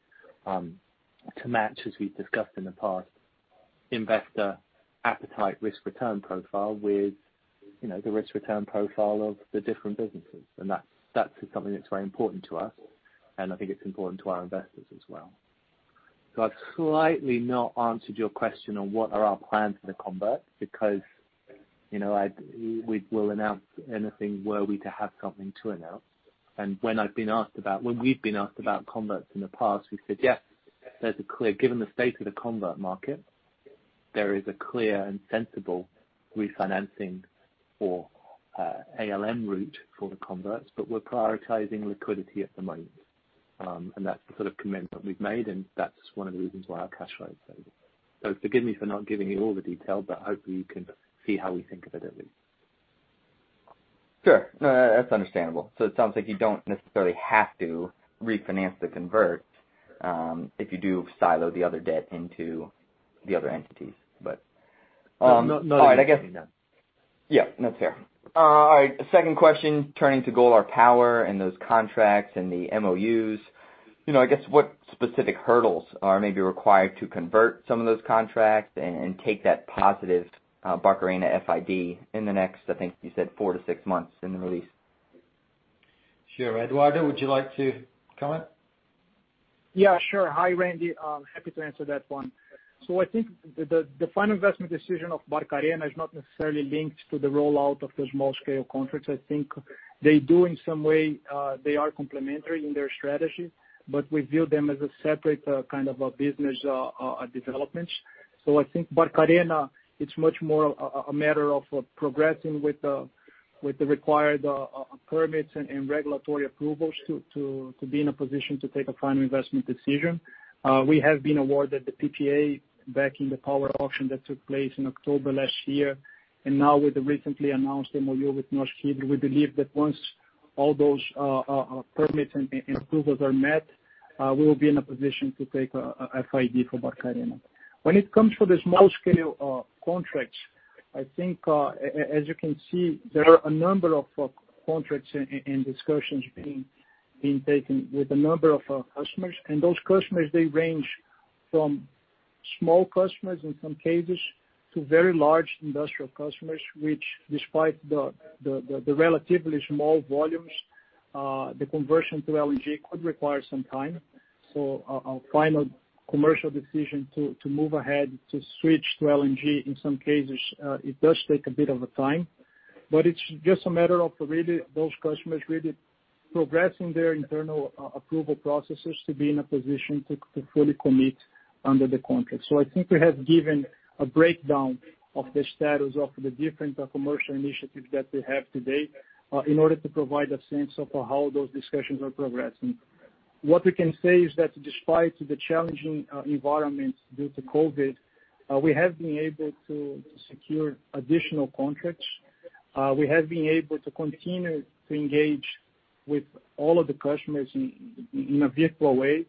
to match, as we've discussed in the past, investor appetite risk-return profile with the risk-return profile of the different businesses. That is something that's very important to us, and I think it's important to our investors as well. I've slightly not answered your question on what are our plans for the convert, because we will announce anything were we to have something to announce. When we've been asked about converts in the past, we've said, yes, given the state of the convert market, there is a clear and sensible refinancing or ALM route for the converts, but we're prioritizing liquidity at the moment. That's the sort of commitment we've made, and that's one of the reasons why our cash flow is stable. Forgive me for not giving you all the detail, but hopefully you can see how we think of it, at least. Sure. No, that's understandable. It sounds like you don't necessarily have to refinance the convert if you do silo the other debt into the other entities. No, not anything done. Yeah, no, fair. All right. Second question, turning to Golar Power and those contracts and the MOUs. I guess what specific hurdles are maybe required to convert some of those contracts and take that positive Barcarena FID in the next, I think you said four to six months in the release? Sure. Eduardo, would you like to comment? Yeah, sure. Hi, Randy. Happy to answer that one. I think the final investment decision of Barcarena is not necessarily linked to the rollout of those small-scale contracts. I think they do in some way, they are complementary in their strategy, but we view them as a separate kind of a business developments. I think Barcarena, it is much more a matter of progressing with the required permits and regulatory approvals to be in a position to take a final investment decision. We have been awarded the PPA back in the power auction that took place in October last year. Now with the recently announced MOU with Norsk Hydro, we believe that once all those permits and approvals are met, we will be in a position to take FID for Barcarena. When it comes to the small-scale contracts, I think, as you can see, there are a number of contracts and discussions being taken with a number of our customers. Those customers, they range from small customers, in some cases, to very large industrial customers, which despite the relatively small volumes, the conversion to LNG could require some time. Our final commercial decision to move ahead to switch to LNG, in some cases, it does take a bit of a time. It's just a matter of really those customers really progressing their internal approval processes to be in a position to fully commit under the contract. I think we have given a breakdown of the status of the different commercial initiatives that we have today, in order to provide a sense of how those discussions are progressing. What we can say is that despite the challenging environment due to COVID, we have been able to secure additional contracts. We have been able to continue to engage with all of the customers in a virtual way.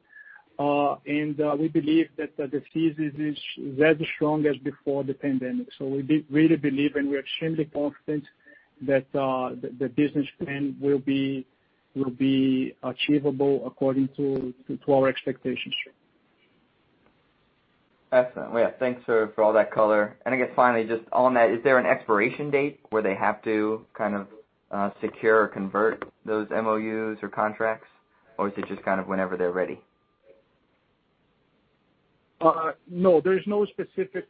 We believe that the season is as strong as before the pandemic. We really believe, and we are extremely confident that the business plan will be achievable according to our expectations. Excellent. Yeah. Thanks for all that color. I guess finally just on that, is there an expiration date where they have to kind of secure or convert those MOUs or contracts? Or is it just kind of whenever they're ready? No, there is no specific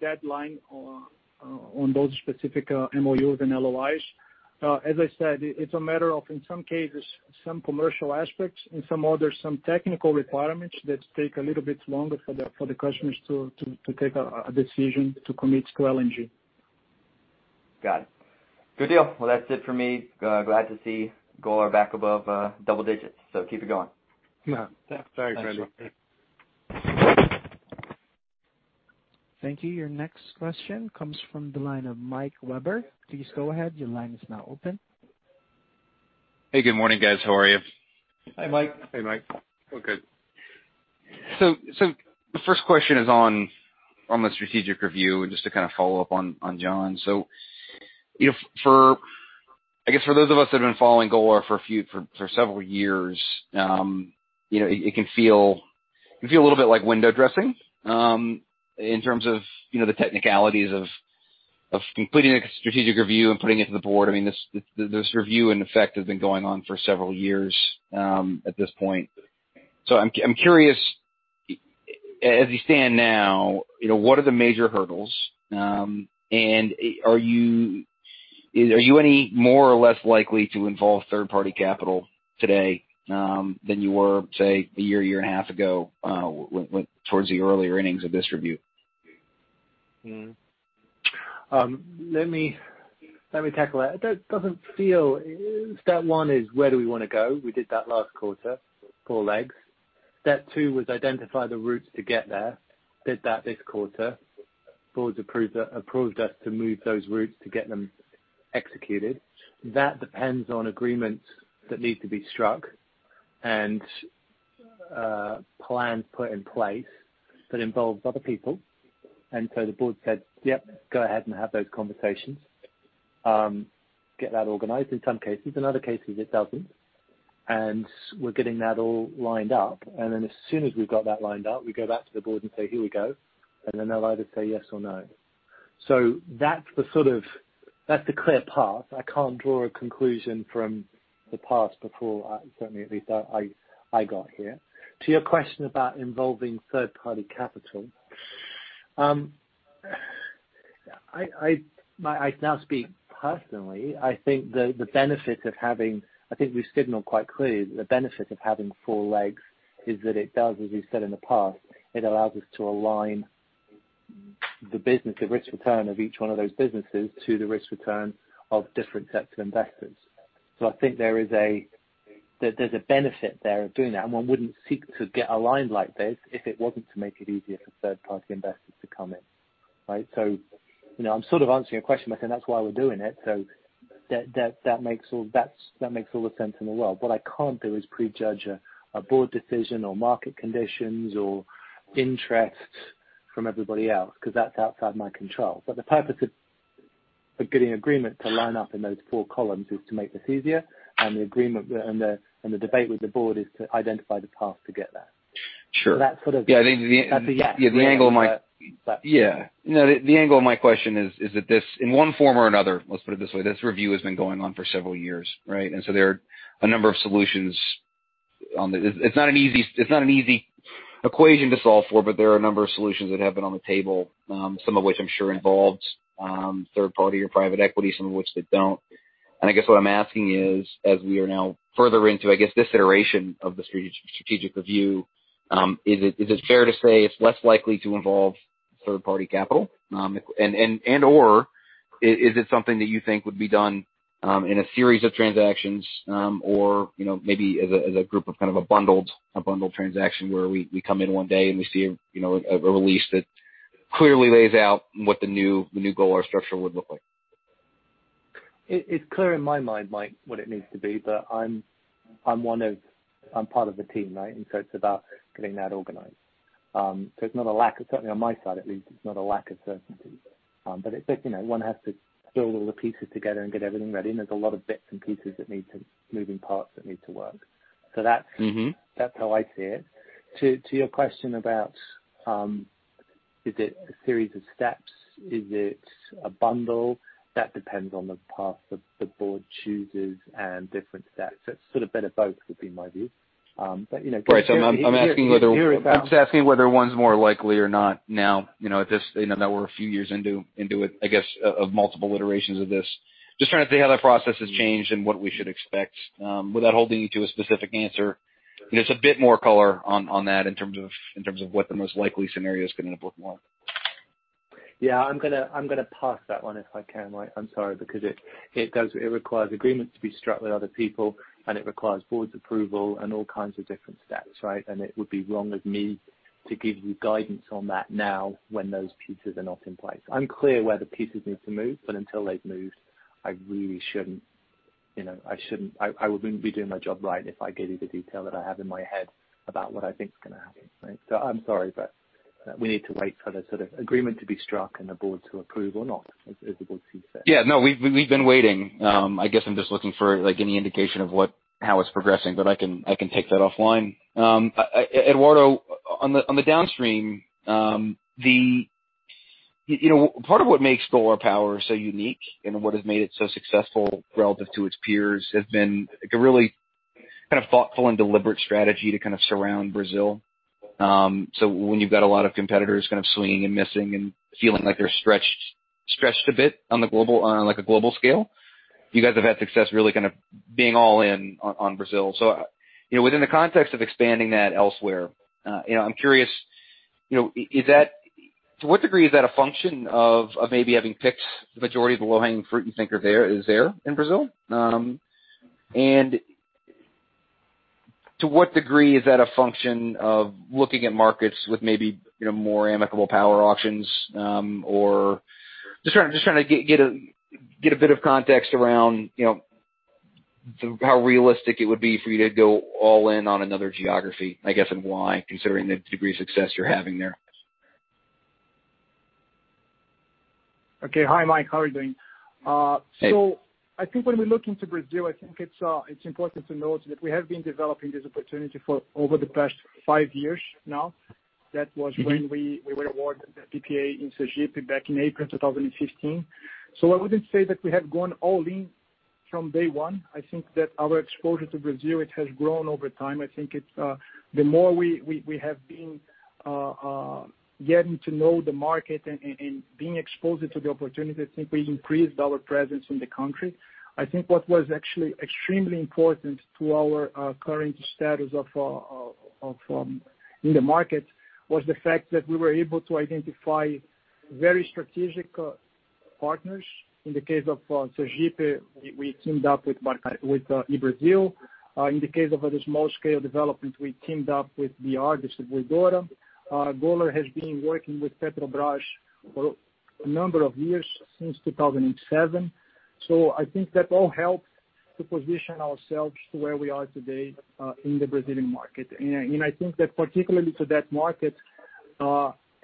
deadline on those specific MOUs and LOI. As I said, it is a matter of, in some cases, some commercial aspects, in some others, some technical requirements that take a little bit longer for the customers to take a decision to commit to LNG. Got it. Good deal. Well, that's it for me. Glad to see Golar back above double digits. Keep it going. Thanks, Randy. Thanks. Thank you. Your next question comes from the line of Mike Webber. Please go ahead. Hey, good morning, guys. How are you? Hi, Mike. Hey, Mike. All good. The first question is on the strategic review, and just to kind of follow up on Jon. I guess for those of us who have been following Golar for several years, it can feel a little bit like window dressing, in terms of the technicalities of completing a strategic review and putting it to the board. I mean, this review, in effect, has been going on for several years at this point. I'm curious, as you stand now, what are the major hurdles? Are you any more or less likely to involve third-party capital today, than you were, say, a year and a half ago, towards the earlier innings of this review? Mm-hmm. Let me tackle that. Step one is where do we want to go? We did that last quarter, four legs. Step two was identify the routes to get there. Did that this quarter. Board approved us to move those routes to get them executed. That depends on agreements that need to be struck and plans put in place that involves other people. The Board said, "Yep, go ahead and have those conversations." Get that organized in some cases. In other cases, it doesn't. We're getting that all lined up, and then as soon as we've got that lined up, we go back to the Board and say, "Here we go." They'll either say yes or no. That's the clear path. I can't draw a conclusion from the past, certainly, at least, I got here. To your question about involving third-party capital. I now speak personally, I think we've signaled quite clearly that the benefit of having four legs is that it does, as we've said in the past, it allows us to align the business, the risk-return of each one of those businesses to the risk-return of different sets of investors. I think there's a benefit there of doing that. One wouldn't seek to get aligned like this if it wasn't to make it easier for third-party investors to come in. Right? I'm sort of answering your question by saying that's why we're doing it, so that makes all the sense in the world. What I can't do is prejudge a board decision or market conditions or interest from everybody else, because that's outside my control. The purpose of getting agreement to line up in those four columns is to make this easier, and the debate with the board is to identify the path to get there. Sure. So that's sort of- Yeah. That's a yes. Yeah. The angle of my question is that this, in one form or another, let's put it this way, this review has been going on for several years, right? There are a number of solutions. It's not an easy equation to solve for, but there are a number of solutions that have been on the table. Some of which I'm sure involves third-party or private equity, some of which that don't. I guess what I'm asking is, as we are now further into, I guess, this iteration of the strategic review, is it fair to say it's less likely to involve third-party capital? Is it something that you think would be done, in a series of transactions? Maybe as a group of kind of a bundled transaction where we come in one day and we see a release that clearly lays out what the new Golar structure would look like. It's clear in my mind, Mike, what it needs to be, but I'm part of the team, right? It's about getting that organized. It's not a lack of, certainly on my side at least, it's not a lack of certainty. One has to build all the pieces together and get everything ready, and there's a lot of bits and pieces that need to move in parts that need to work. That's how I see it. To your question about, is it a series of steps? Is it a bundle? That depends on the path that the board chooses and different steps. It's sort of better both, would be my view. Right. I'm asking whether one's more likely or not now we're a few years into it, I guess, of multiple iterations of this. Just trying to see how that process has changed and what we should expect, without holding you to a specific answer. Just a bit more color on that in terms of what the most likely scenario is going to look like. Yeah, I'm gonna pass that one if I can, Mike. I'm sorry, because it requires agreements to be struck with other people, and it requires boards approval and all kinds of different steps, right? It would be wrong of me to give you guidance on that now when those pieces are not in place. I'm clear where the pieces need to move, but until they've moved, I really shouldn't. I would be doing my job right if I give you the detail that I have in my head about what I think is going to happen, right? I'm sorry, but we need to wait for the sort of agreement to be struck and the board to approve or not, as the board sees fit. We've been waiting. I guess I'm just looking for any indication of how it's progressing, but I can take that offline. Eduardo, on the downstream, part of what makes Golar Power so unique and what has made it so successful relative to its peers has been a really thoughtful and deliberate strategy to surround Brazil. When you've got a lot of competitors kind of swinging and missing and feeling like they're stretched a bit on a global scale, you guys have had success really kind of being all in on Brazil. Within the context of expanding that elsewhere, I'm curious, to what degree is that a function of maybe having picked the majority of the low-hanging fruit you think is there in Brazil? To what degree is that a function of looking at markets with maybe more amicable power options? Just trying to get a bit of context around how realistic it would be for you to go all in on another geography, I guess, and why, considering the degree of success you're having there. Okay. Hi, Mike, how are you doing? Hey. I think when we look into Brazil, I think it is important to note that we have been developing this opportunity for over the past five years now. That was when we were awarded the PPA in Sergipe back in April 2015. I wouldn't say that we have gone all in from day one. I think that our exposure to Brazil, it has grown over time. I think the more we have been getting to know the market and being exposed to the opportunity, I think we increased our presence in the country. I think what was actually extremely important to our current status in the market was the fact that we were able to identify very strategic partners. In the case of Sergipe, we teamed up with EBrasil. In the case of a small-scale development, we teamed up with BR Distribuidora. Golar has been working with Petrobras for a number of years, since 2007. I think that all helped to position ourselves to where we are today, in the Brazilian market. I think that particularly to that market,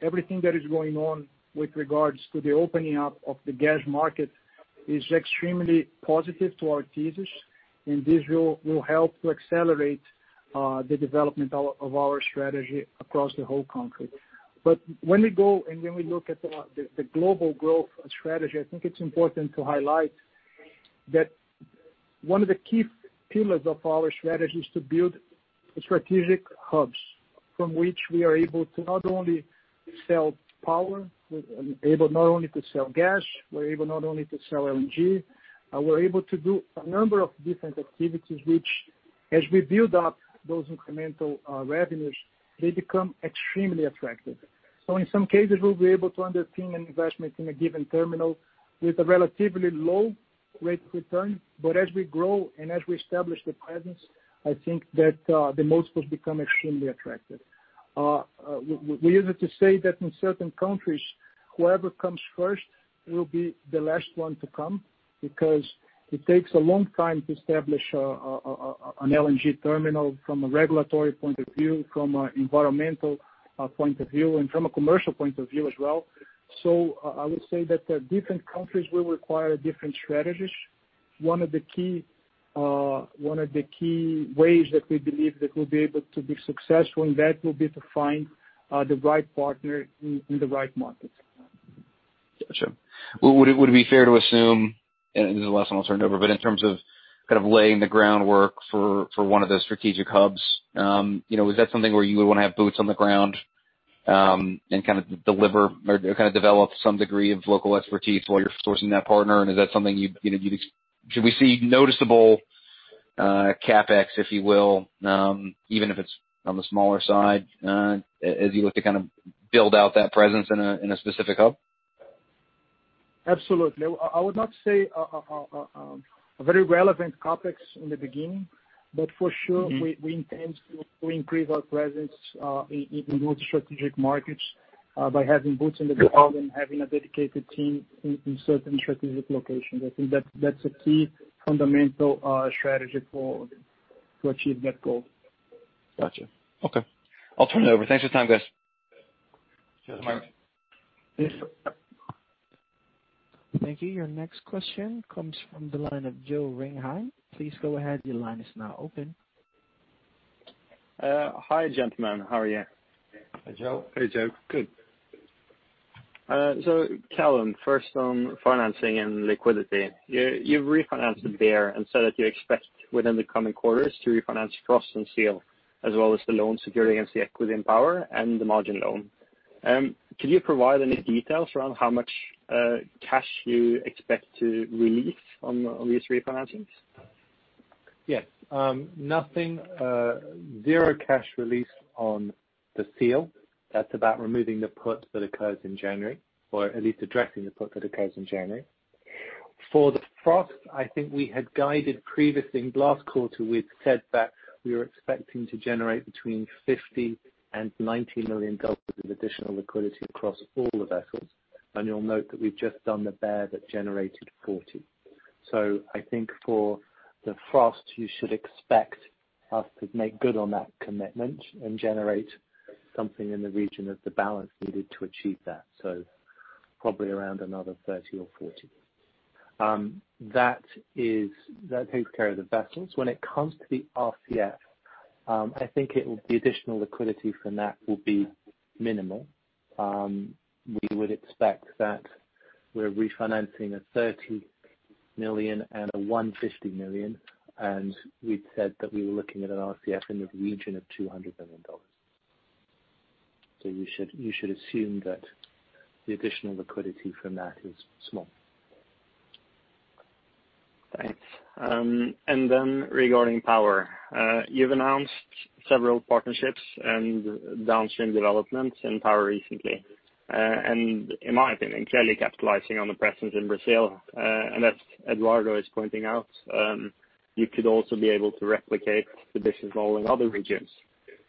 everything that is going on with regards to the opening up of the gas market is extremely positive to our thesis, and this will help to accelerate the development of our strategy across the whole country. When we go and when we look at the global growth strategy, I think it's important to highlight that one of the key pillars of our strategy is to build strategic hubs from which we are able to not only sell power, able not only to sell gas, we're able not only to sell LNG. We're able to do a number of different activities, which as we build up those incremental revenues, they become extremely attractive. In some cases, we'll be able to undertake an investment in a given terminal with a relatively low rate of return. As we grow and as we establish the presence, I think that the most will become extremely attractive. We use it to say that in certain countries, whoever comes first will be the last one to come, because it takes a long time to establish an LNG terminal from a regulatory point of view, from an environmental point of view, and from a commercial point of view as well. I would say that different countries will require different strategies. One of the key ways that we believe that we'll be able to be successful in that will be to find the right partner in the right market. Got you. Would it be fair to assume, and this is the last one I'll turn it over, but in terms of kind of laying the groundwork for one of those strategic hubs, is that something where you would want to have boots on the ground, and kind of deliver or kind of develop some degree of local expertise while you're sourcing that partner? Should we see noticeable CapEx, if you will, even if it's on the smaller side, as you look to kind of build out that presence in a specific hub? Absolutely. For sure, we intend to improve our presence in those strategic markets by having boots on the ground and having a dedicated team in certain strategic locations. I think that's a key fundamental strategy to achieve that goal. Got you. Okay. I'll turn it over. Thanks for your time, guys. Sure. Thanks, Mike. Thank you. Your next question comes from the line of Jo Ringheim. Please go ahead. Your line is now open. Hi, gentlemen. How are you? Hi, Joe. Hey, Jo, good. Callum, first on financing and liquidity. You've refinanced the Bear and said that you expect within the coming quarters to refinance Frost and Seal, as well as the loan secured against the equity in Power and the margin loan. Can you provide any details around how much cash you expect to release on these refinancings? Yes. Nothing, zero cash release on the Seal. That's about removing the put that occurs in January, or at least addressing the put that occurs in January. For the Frost, I think we had guided previously in last quarter, we'd said that we were expecting to generate between $50 million and $90 million of additional liquidity across all the vessels. You'll note that we've just done the Bear that generated $40 million. I think for the Frost, you should expect us to make good on that commitment and generate something in the region of the balance needed to achieve that. Probably around another $30 million or $40 million. That takes care of the vessels. When it comes to the RCF, I think the additional liquidity from that will be minimal. We would expect that we're refinancing a $30 million and a $150 million, and we'd said that we were looking at an RCF in the region of $200 million. You should assume that the additional liquidity from that is small. Thanks. Regarding Power. You've announced several partnerships and downstream developments in Power recently. In my opinion, clearly capitalizing on the presence in Brazil. As Eduardo is pointing out, you could also be able to replicate the business model in other regions.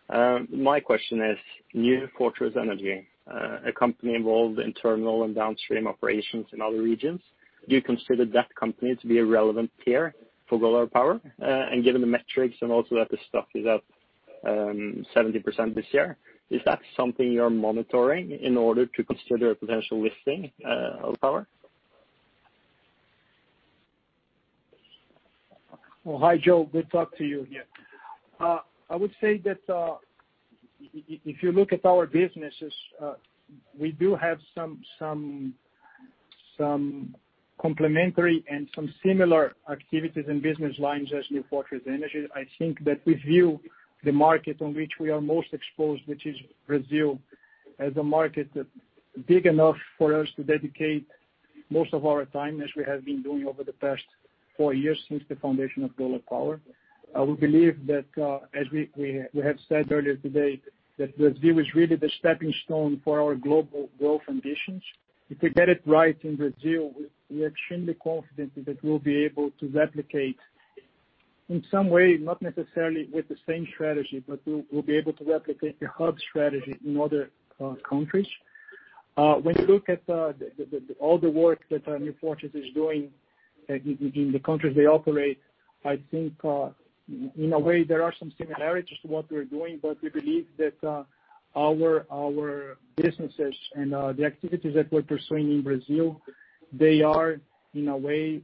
My question is New Fortress Energy, a company involved in terminal and downstream operations in other regions, do you consider that company to be a relevant peer for Golar Power, and given the metrics and also that the stock is up 70% this year, is that something you're monitoring in order to consider a potential listing of Power? Well, hi, Joe. Good to talk to you here. I would say that, if you look at our businesses, we do have some complementary and some similar activities and business lines as New Fortress Energy. I think that we view the market on which we are most exposed, which is Brazil, as a market that's big enough for us to dedicate most of our time, as we have been doing over the past four years since the foundation of Golar Power. We believe that, as we have said earlier today, that Brazil is really the stepping stone for our global growth ambitions. If we get it right in Brazil, we are extremely confident that we'll be able to replicate, in some way, not necessarily with the same strategy, but we'll be able to replicate a hub strategy in other countries. When you look at all the work that New Fortress is doing in the countries they operate, I think, in a way, there are some similarities to what we're doing. We believe that our businesses and the activities that we're pursuing in Brazil are, in a way,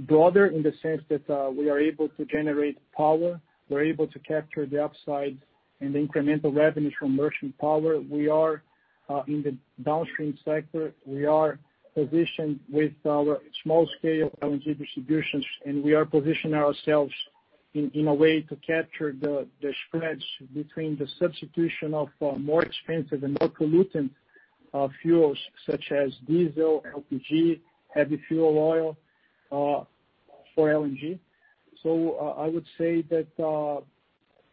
broader in the sense that we are able to generate power. We're able to capture the upside and the incremental revenues from merchant power. We are in the downstream sector. We are positioned with our small-scale LNG distributions, and we are positioning ourselves in a way to capture the spread between the substitution of more expensive and more pollutant fuels, such as diesel, LPG, heavy fuel oil, for LNG. I would say that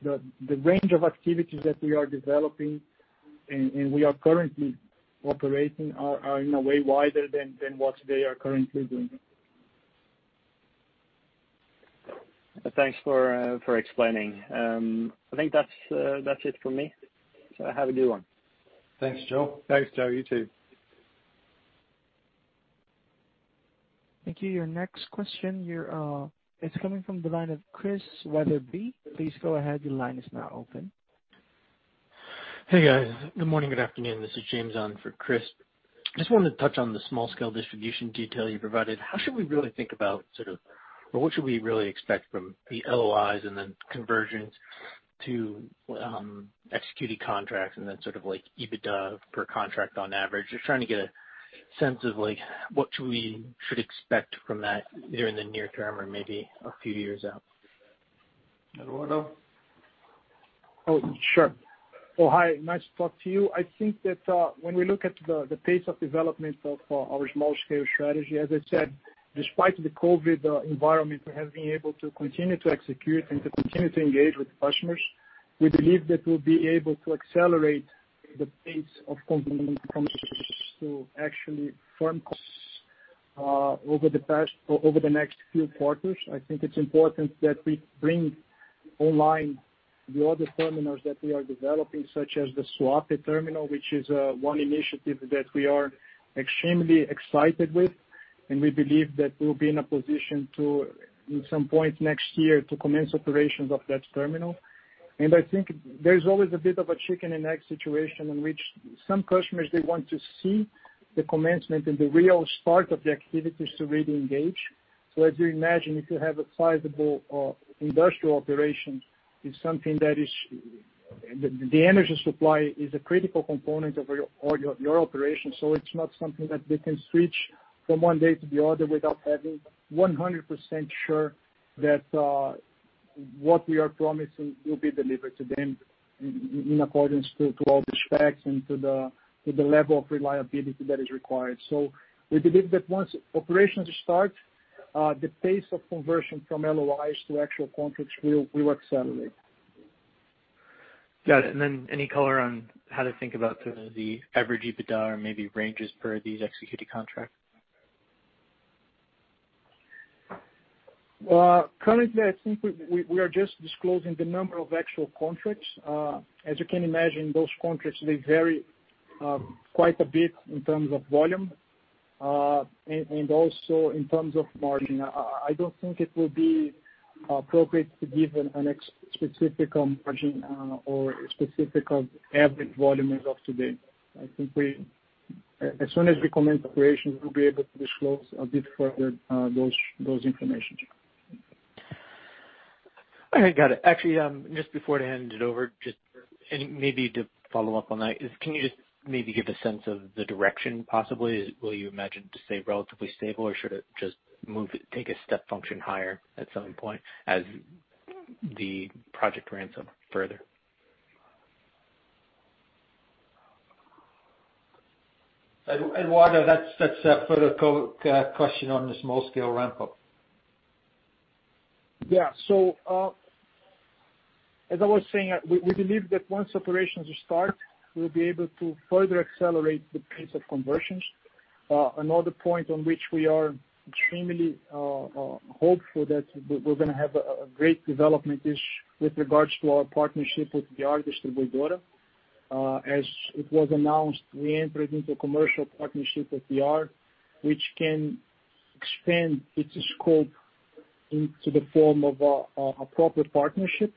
the range of activities that we are developing and we are currently operating are, in a way, wider than what they are currently doing. Thanks for explaining. I think that's it for me. Have a good one. Thanks, Joe. Thanks, Joe. You too. Thank you. Your next question is coming from the line of Chris Wetherbee. Please go ahead. Your line is now open. Hey, guys. Good morning, good afternoon. This is James on for Chris. Just wanted to touch on the small-scale distribution detail you provided. How should we really think about sort of, what should we really expect from the LOI and then conversions to executed contracts, and then sort of like EBITDA per contract on average? Just trying to get a sense of what we should expect from that during the near term or maybe a few years out. Eduardo? Oh, sure. Oh, hi. Nice to talk to you. I think that when we look at the pace of development of our small-scale strategy, as I said, despite the COVID environment, we have been able to continue to execute and to continue to engage with customers. We believe that we'll be able to accelerate the pace of completing conversions to actually firm contracts over the next few quarters. I think it's important that we bring online the other terminals that we are developing, such as the Suape terminal, which is one initiative that we are extremely excited with. We believe that we'll be in a position to, at some point next year, commence operations of that terminal. I think there's always a bit of a chicken and egg situation in which some customers want to see the commencement and the real start of the activities to really engage. As you imagine, if you have a sizable industrial operation, it's something that the energy supply is a critical component of your operation. It's not something that they can switch from one day to the other without having 100% sure that what we are promising will be delivered to them in accordance with all the specs and to the level of reliability that is required. We believe that once operations start, the pace of conversion from LOI to actual contracts will accelerate. Got it. Any color on how to think about sort of the average EBITDA or maybe ranges per these executed contracts? Well, currently, I think we are just disclosing the number of actual contracts. As you can imagine, those contracts vary quite a bit in terms of volume, also in terms of margin. I don't think it will be appropriate to give a specific margin or specific average volume as of today. I think as soon as we commence operations, we'll be able to disclose a bit further those information. Okay, got it. Actually, just before I hand it over, and maybe to follow up on that, can you just maybe give a sense of the direction, possibly? Will you imagine to stay relatively stable, or should it just take a step function higher at some point as the project ramps up further? Eduardo, that's a further question on the small-scale ramp-up. Yeah. As I was saying, we believe that once operations start, we'll be able to further accelerate the pace of conversions. Another point on which we are extremely hopeful that we're going to have a great development is with regards to our partnership with BR Distribuidora. As it was announced, we entered into a commercial partnership with BR, which Expand its scope into the form of a proper partnership.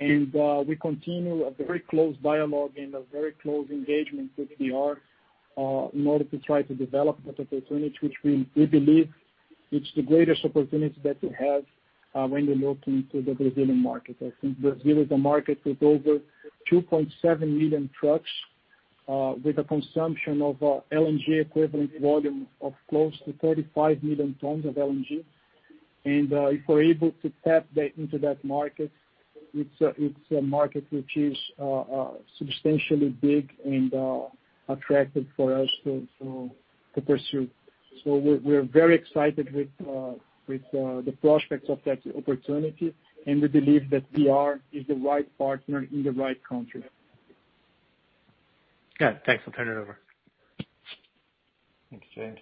We continue a very close dialogue and a very close engagement with BR in order to try to develop that opportunity, which we believe it's the greatest opportunity that we have when you look into the Brazilian market. I think Brazil is a market with over 2.7 million trucks, with a consumption of LNG equivalent volume of close to 35 million tons of LNG. If we're able to tap into that market, it's a market which is substantially big and attractive for us to pursue. We're very excited with the prospects of that opportunity, and we believe that BR is the right partner in the right country. Yeah, thanks. I'll turn it over. Thanks, James.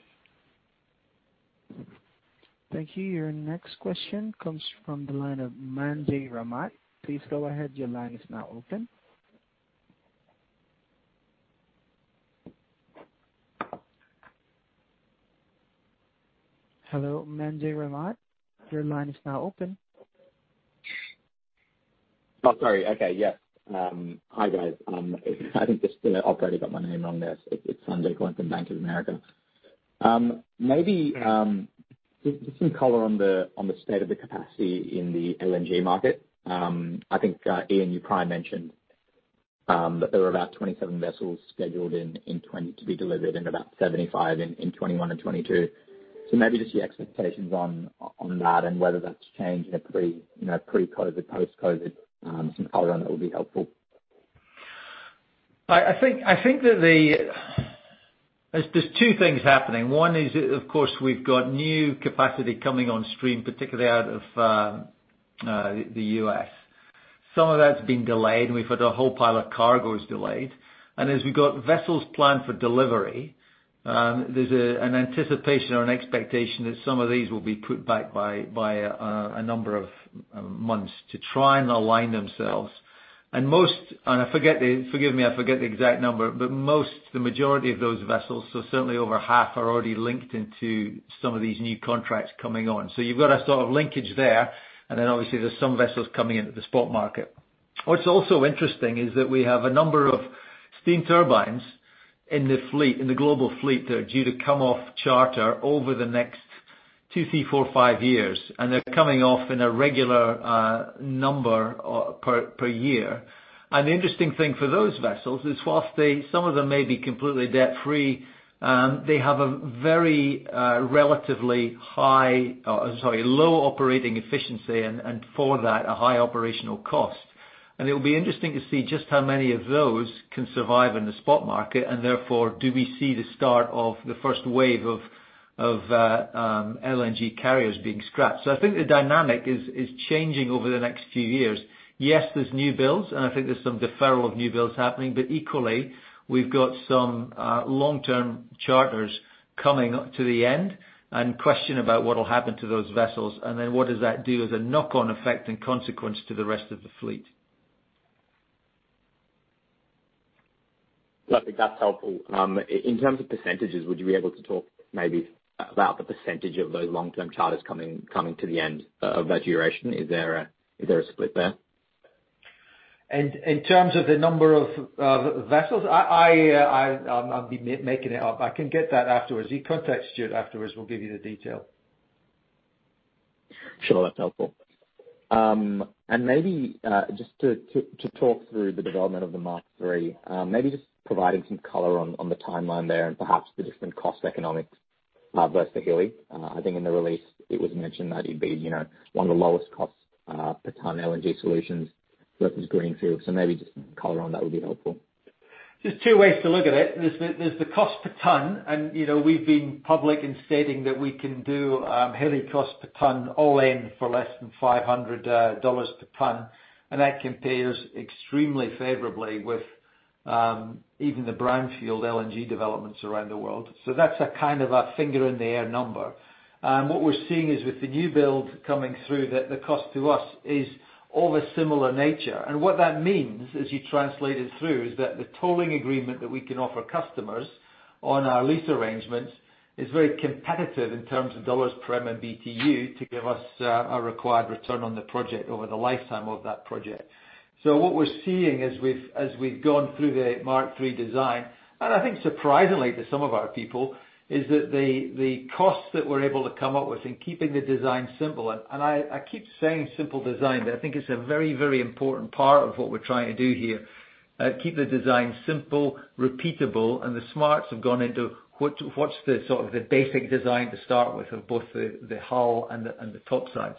Thank you. Your next question comes from the line of Sanjay Ramaswamy. Please go ahead. Your line is now open. Hello, Sanjay Ramaswamy. Your line is now open. Oh, sorry. Okay. Yes. Hi, guys. I think the operator got my name wrong there. It's Sanjay Ramaswamy from Bank of America. Maybe just some color on the state of the capacity in the LNG market. I think, Iain, you probably mentioned that there were about 27 vessels scheduled to be delivered and about 75 in 2021 and 2022. Maybe just your expectations on that and whether that's changed in a pre-COVID, post-COVID. Some color on that would be helpful. There's two things happening. One is, of course, we've got new capacity coming on stream, particularly out of the U.S. Some of that's been delayed, and we've had a whole pile of cargoes delayed. As we got vessels planned for delivery, there's an anticipation or an expectation that some of these will be put back by a number of months to try and align themselves. Forgive me, I forget the exact number, but most, the majority of those vessels, so certainly over half, are already linked into some of these new contracts coming on. You've got a sort of linkage there, and then obviously there's some vessels coming into the spot market. What's also interesting is that we have a number of steam turbines in the global fleet that are due to come off charter over the next two, three, four, five years, and they're coming off in a regular number per year. The interesting thing for those vessels is whilst some of them may be completely debt-free, they have a very relatively low operating efficiency and for that, a high operational cost. It will be interesting to see just how many of those can survive in the spot market and therefore, do we see the start of the first wave of LNG carriers being scrapped? I think the dynamic is changing over the next few years. Yes, there's new builds, and I think there's some deferral of new builds happening, but equally, we've got some long-term charters coming to the end and question about what will happen to those vessels, and then what does that do as a knock-on effect and consequence to the rest of the fleet? No, I think that's helpful. In terms of percentages, would you be able to talk maybe about the percentage of those long-term charters coming to the end of that duration? Is there a split there? In terms of the number of vessels? I'll be making it up. I can get that afterwards. You contact Stuart afterwards, we'll give you the detail. Sure. That's helpful. Maybe just to talk through the development of the Mark III. Maybe just providing some color on the timeline there and perhaps the different cost economics versus Hilli. I think in the release it'd be one of the lowest cost per ton LNG solutions versus greenfield. Maybe just some color on that would be helpful. There's two ways to look at it. There's the cost per ton, and we've been public in stating that we can do Hilli cost per ton all in for less than $500 per ton, and that compares extremely favorably with even the brownfield LNG developments around the world. That's a kind of a finger in the air number. What we're seeing is with the new build coming through, that the cost to us is of a similar nature. What that means as you translate it through, is that the tolling agreement that we can offer customers on our lease arrangements is very competitive in terms of dollars per MMBtu to give us a required return on the project over the lifetime of that project. What we're seeing as we've gone through the Mark III design, and I think surprisingly to some of our people, is that the costs that we're able to come up with in keeping the design simple, and I keep saying simple design, but I think it's a very, very important part of what we're trying to do here. Keep the design simple, repeatable, and the smarts have gone into what's the sort of the basic design to start with of both the hull and the top sides.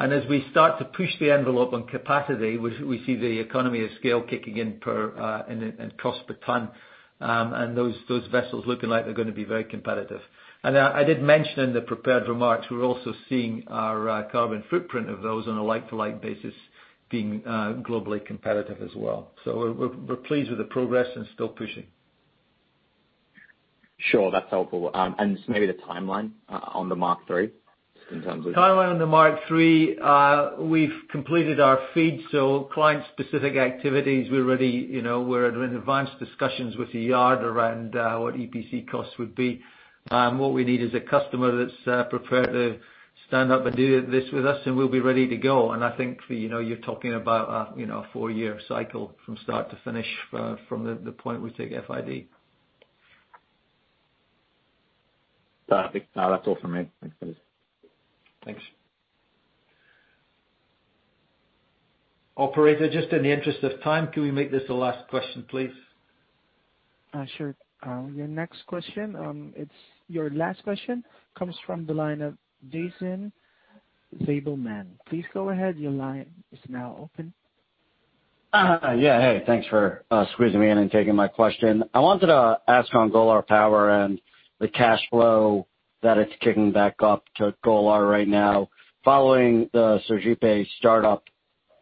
As we start to push the envelope on capacity, we see the economy of scale kicking in cost per ton. Those vessels looking like they're going to be very competitive. I did mention in the prepared remarks, we're also seeing our carbon footprint of those on a like-to-like basis being globally competitive as well. We're pleased with the progress and still pushing. Sure, that's helpful. Maybe the timeline on the Mark III? Timeline on the Mark III, we've completed our FEED. Client-specific activities, we're in advanced discussions with the yard around what EPC costs would be. What we need is a customer that's prepared to stand up and do this with us, and we'll be ready to go. I think you're talking about a four-year cycle from start to finish, from the point we take FID. Perfect. No, that's all for me. Thanks, guys. Thanks. Operator, just in the interest of time, can we make this the last question, please? Sure. Your last question comes from the line of Jason Gabelman. Please go ahead. Your line is now open. Yeah. Hey, thanks for squeezing me in and taking my question. I wanted to ask on Golar Power and the cash flow that it's kicking back up to Golar right now. Following the Sergipe startup,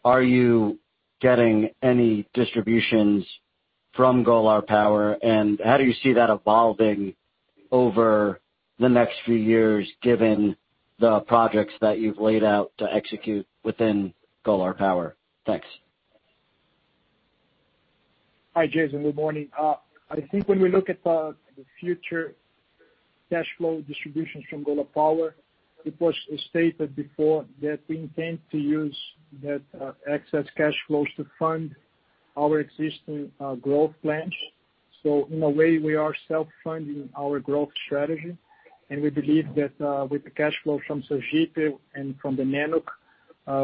are you getting any distributions from Golar Power, and how do you see that evolving over the next few years, given the projects that you've laid out to execute within Golar Power? Thanks. Hi, Jason. Good morning. I think when we look at the future cash flow distributions from Golar Power, it was stated before that we intend to use that excess cash flows to fund our existing growth plans. In a way, we are self-funding our growth strategy, and we believe that, with the cash flow from Sergipe and from the Nanook,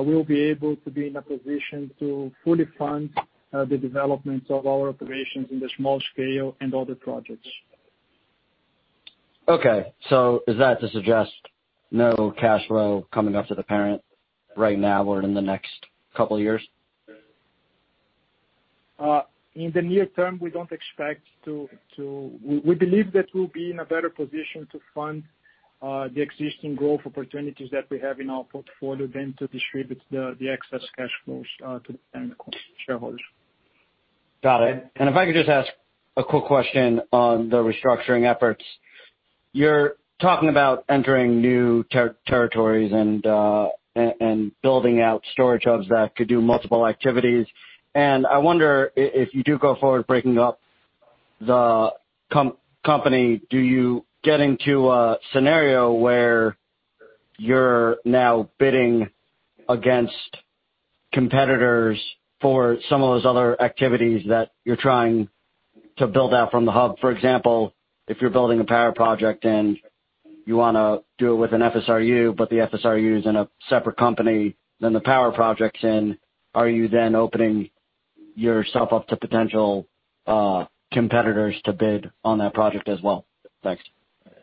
we'll be able to be in a position to fully fund the development of our operations in the small scale and other projects. Okay. Is that to suggest no cash flow coming up to the parent right now or in the next couple of years? In the near term, we believe that we'll be in a better position to fund the existing growth opportunities that we have in our portfolio than to distribute the excess cash flows to the shareholders. Got it. If I could just ask a quick question on the restructuring efforts. You're talking about entering new territories and building out storage hubs that could do multiple activities. I wonder, if you do go forward breaking up the company, do you get into a scenario where you're now bidding against competitors for some of those other activities that you're trying to build out from the hub? For example, if you're building a power project and you want to do it with an FSRU, but the FSRU is in a separate company than the power project's in, are you then opening yourself up to potential competitors to bid on that project as well? Thanks.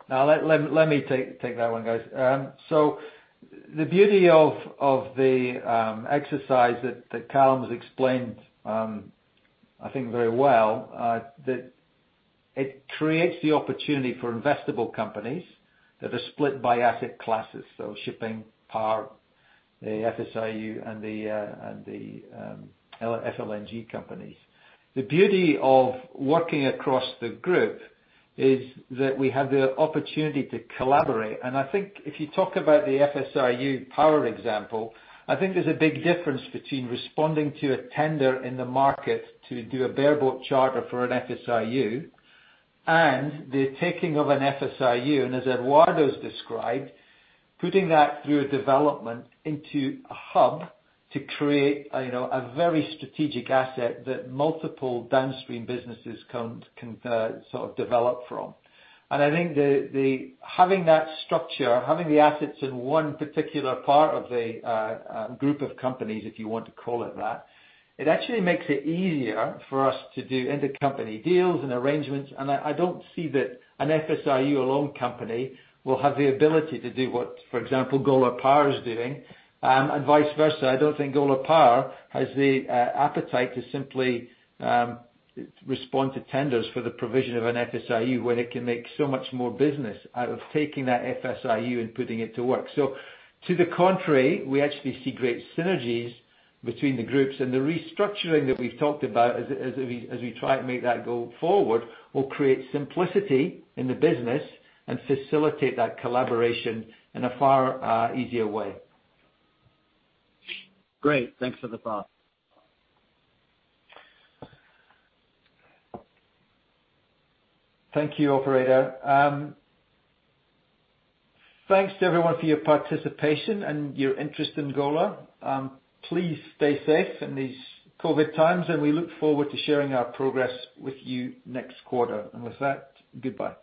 Let me take that one, guys. The beauty of the exercise that Callum has explained, I think very well, that it creates the opportunity for investable companies that are split by asset classes, so shipping, power, the FSRU, and the FLNG companies. The beauty of working across the group is that we have the opportunity to collaborate. I think if you talk about the FSRU power example, I think there's a big difference between responding to a tender in the market to do a bareboat charter for an FSRU, and the taking of an FSRU, and as Eduardo's described, putting that through a development into a hub to create a very strategic asset that multiple downstream businesses can sort of develop from. I think having that structure, having the assets in one particular part of a group of companies, if you want to call it that, it actually makes it easier for us to do intercompany deals and arrangements. I don't see that an FSRU-alone company will have the ability to do what, for example, Golar Power is doing. Vice versa, I don't think Golar Power has the appetite to simply respond to tenders for the provision of an FSRU when it can make so much more business out of taking that FSRU and putting it to work. To the contrary, we actually see great synergies between the groups, and the restructuring that we've talked about as we try to make that go forward, will create simplicity in the business and facilitate that collaboration in a far easier way. Great. Thanks for the thought. Thank you, operator. Thanks to everyone for your participation and your interest in Golar. Please stay safe in these COVID times, and we look forward to sharing our progress with you next quarter. With that, goodbye.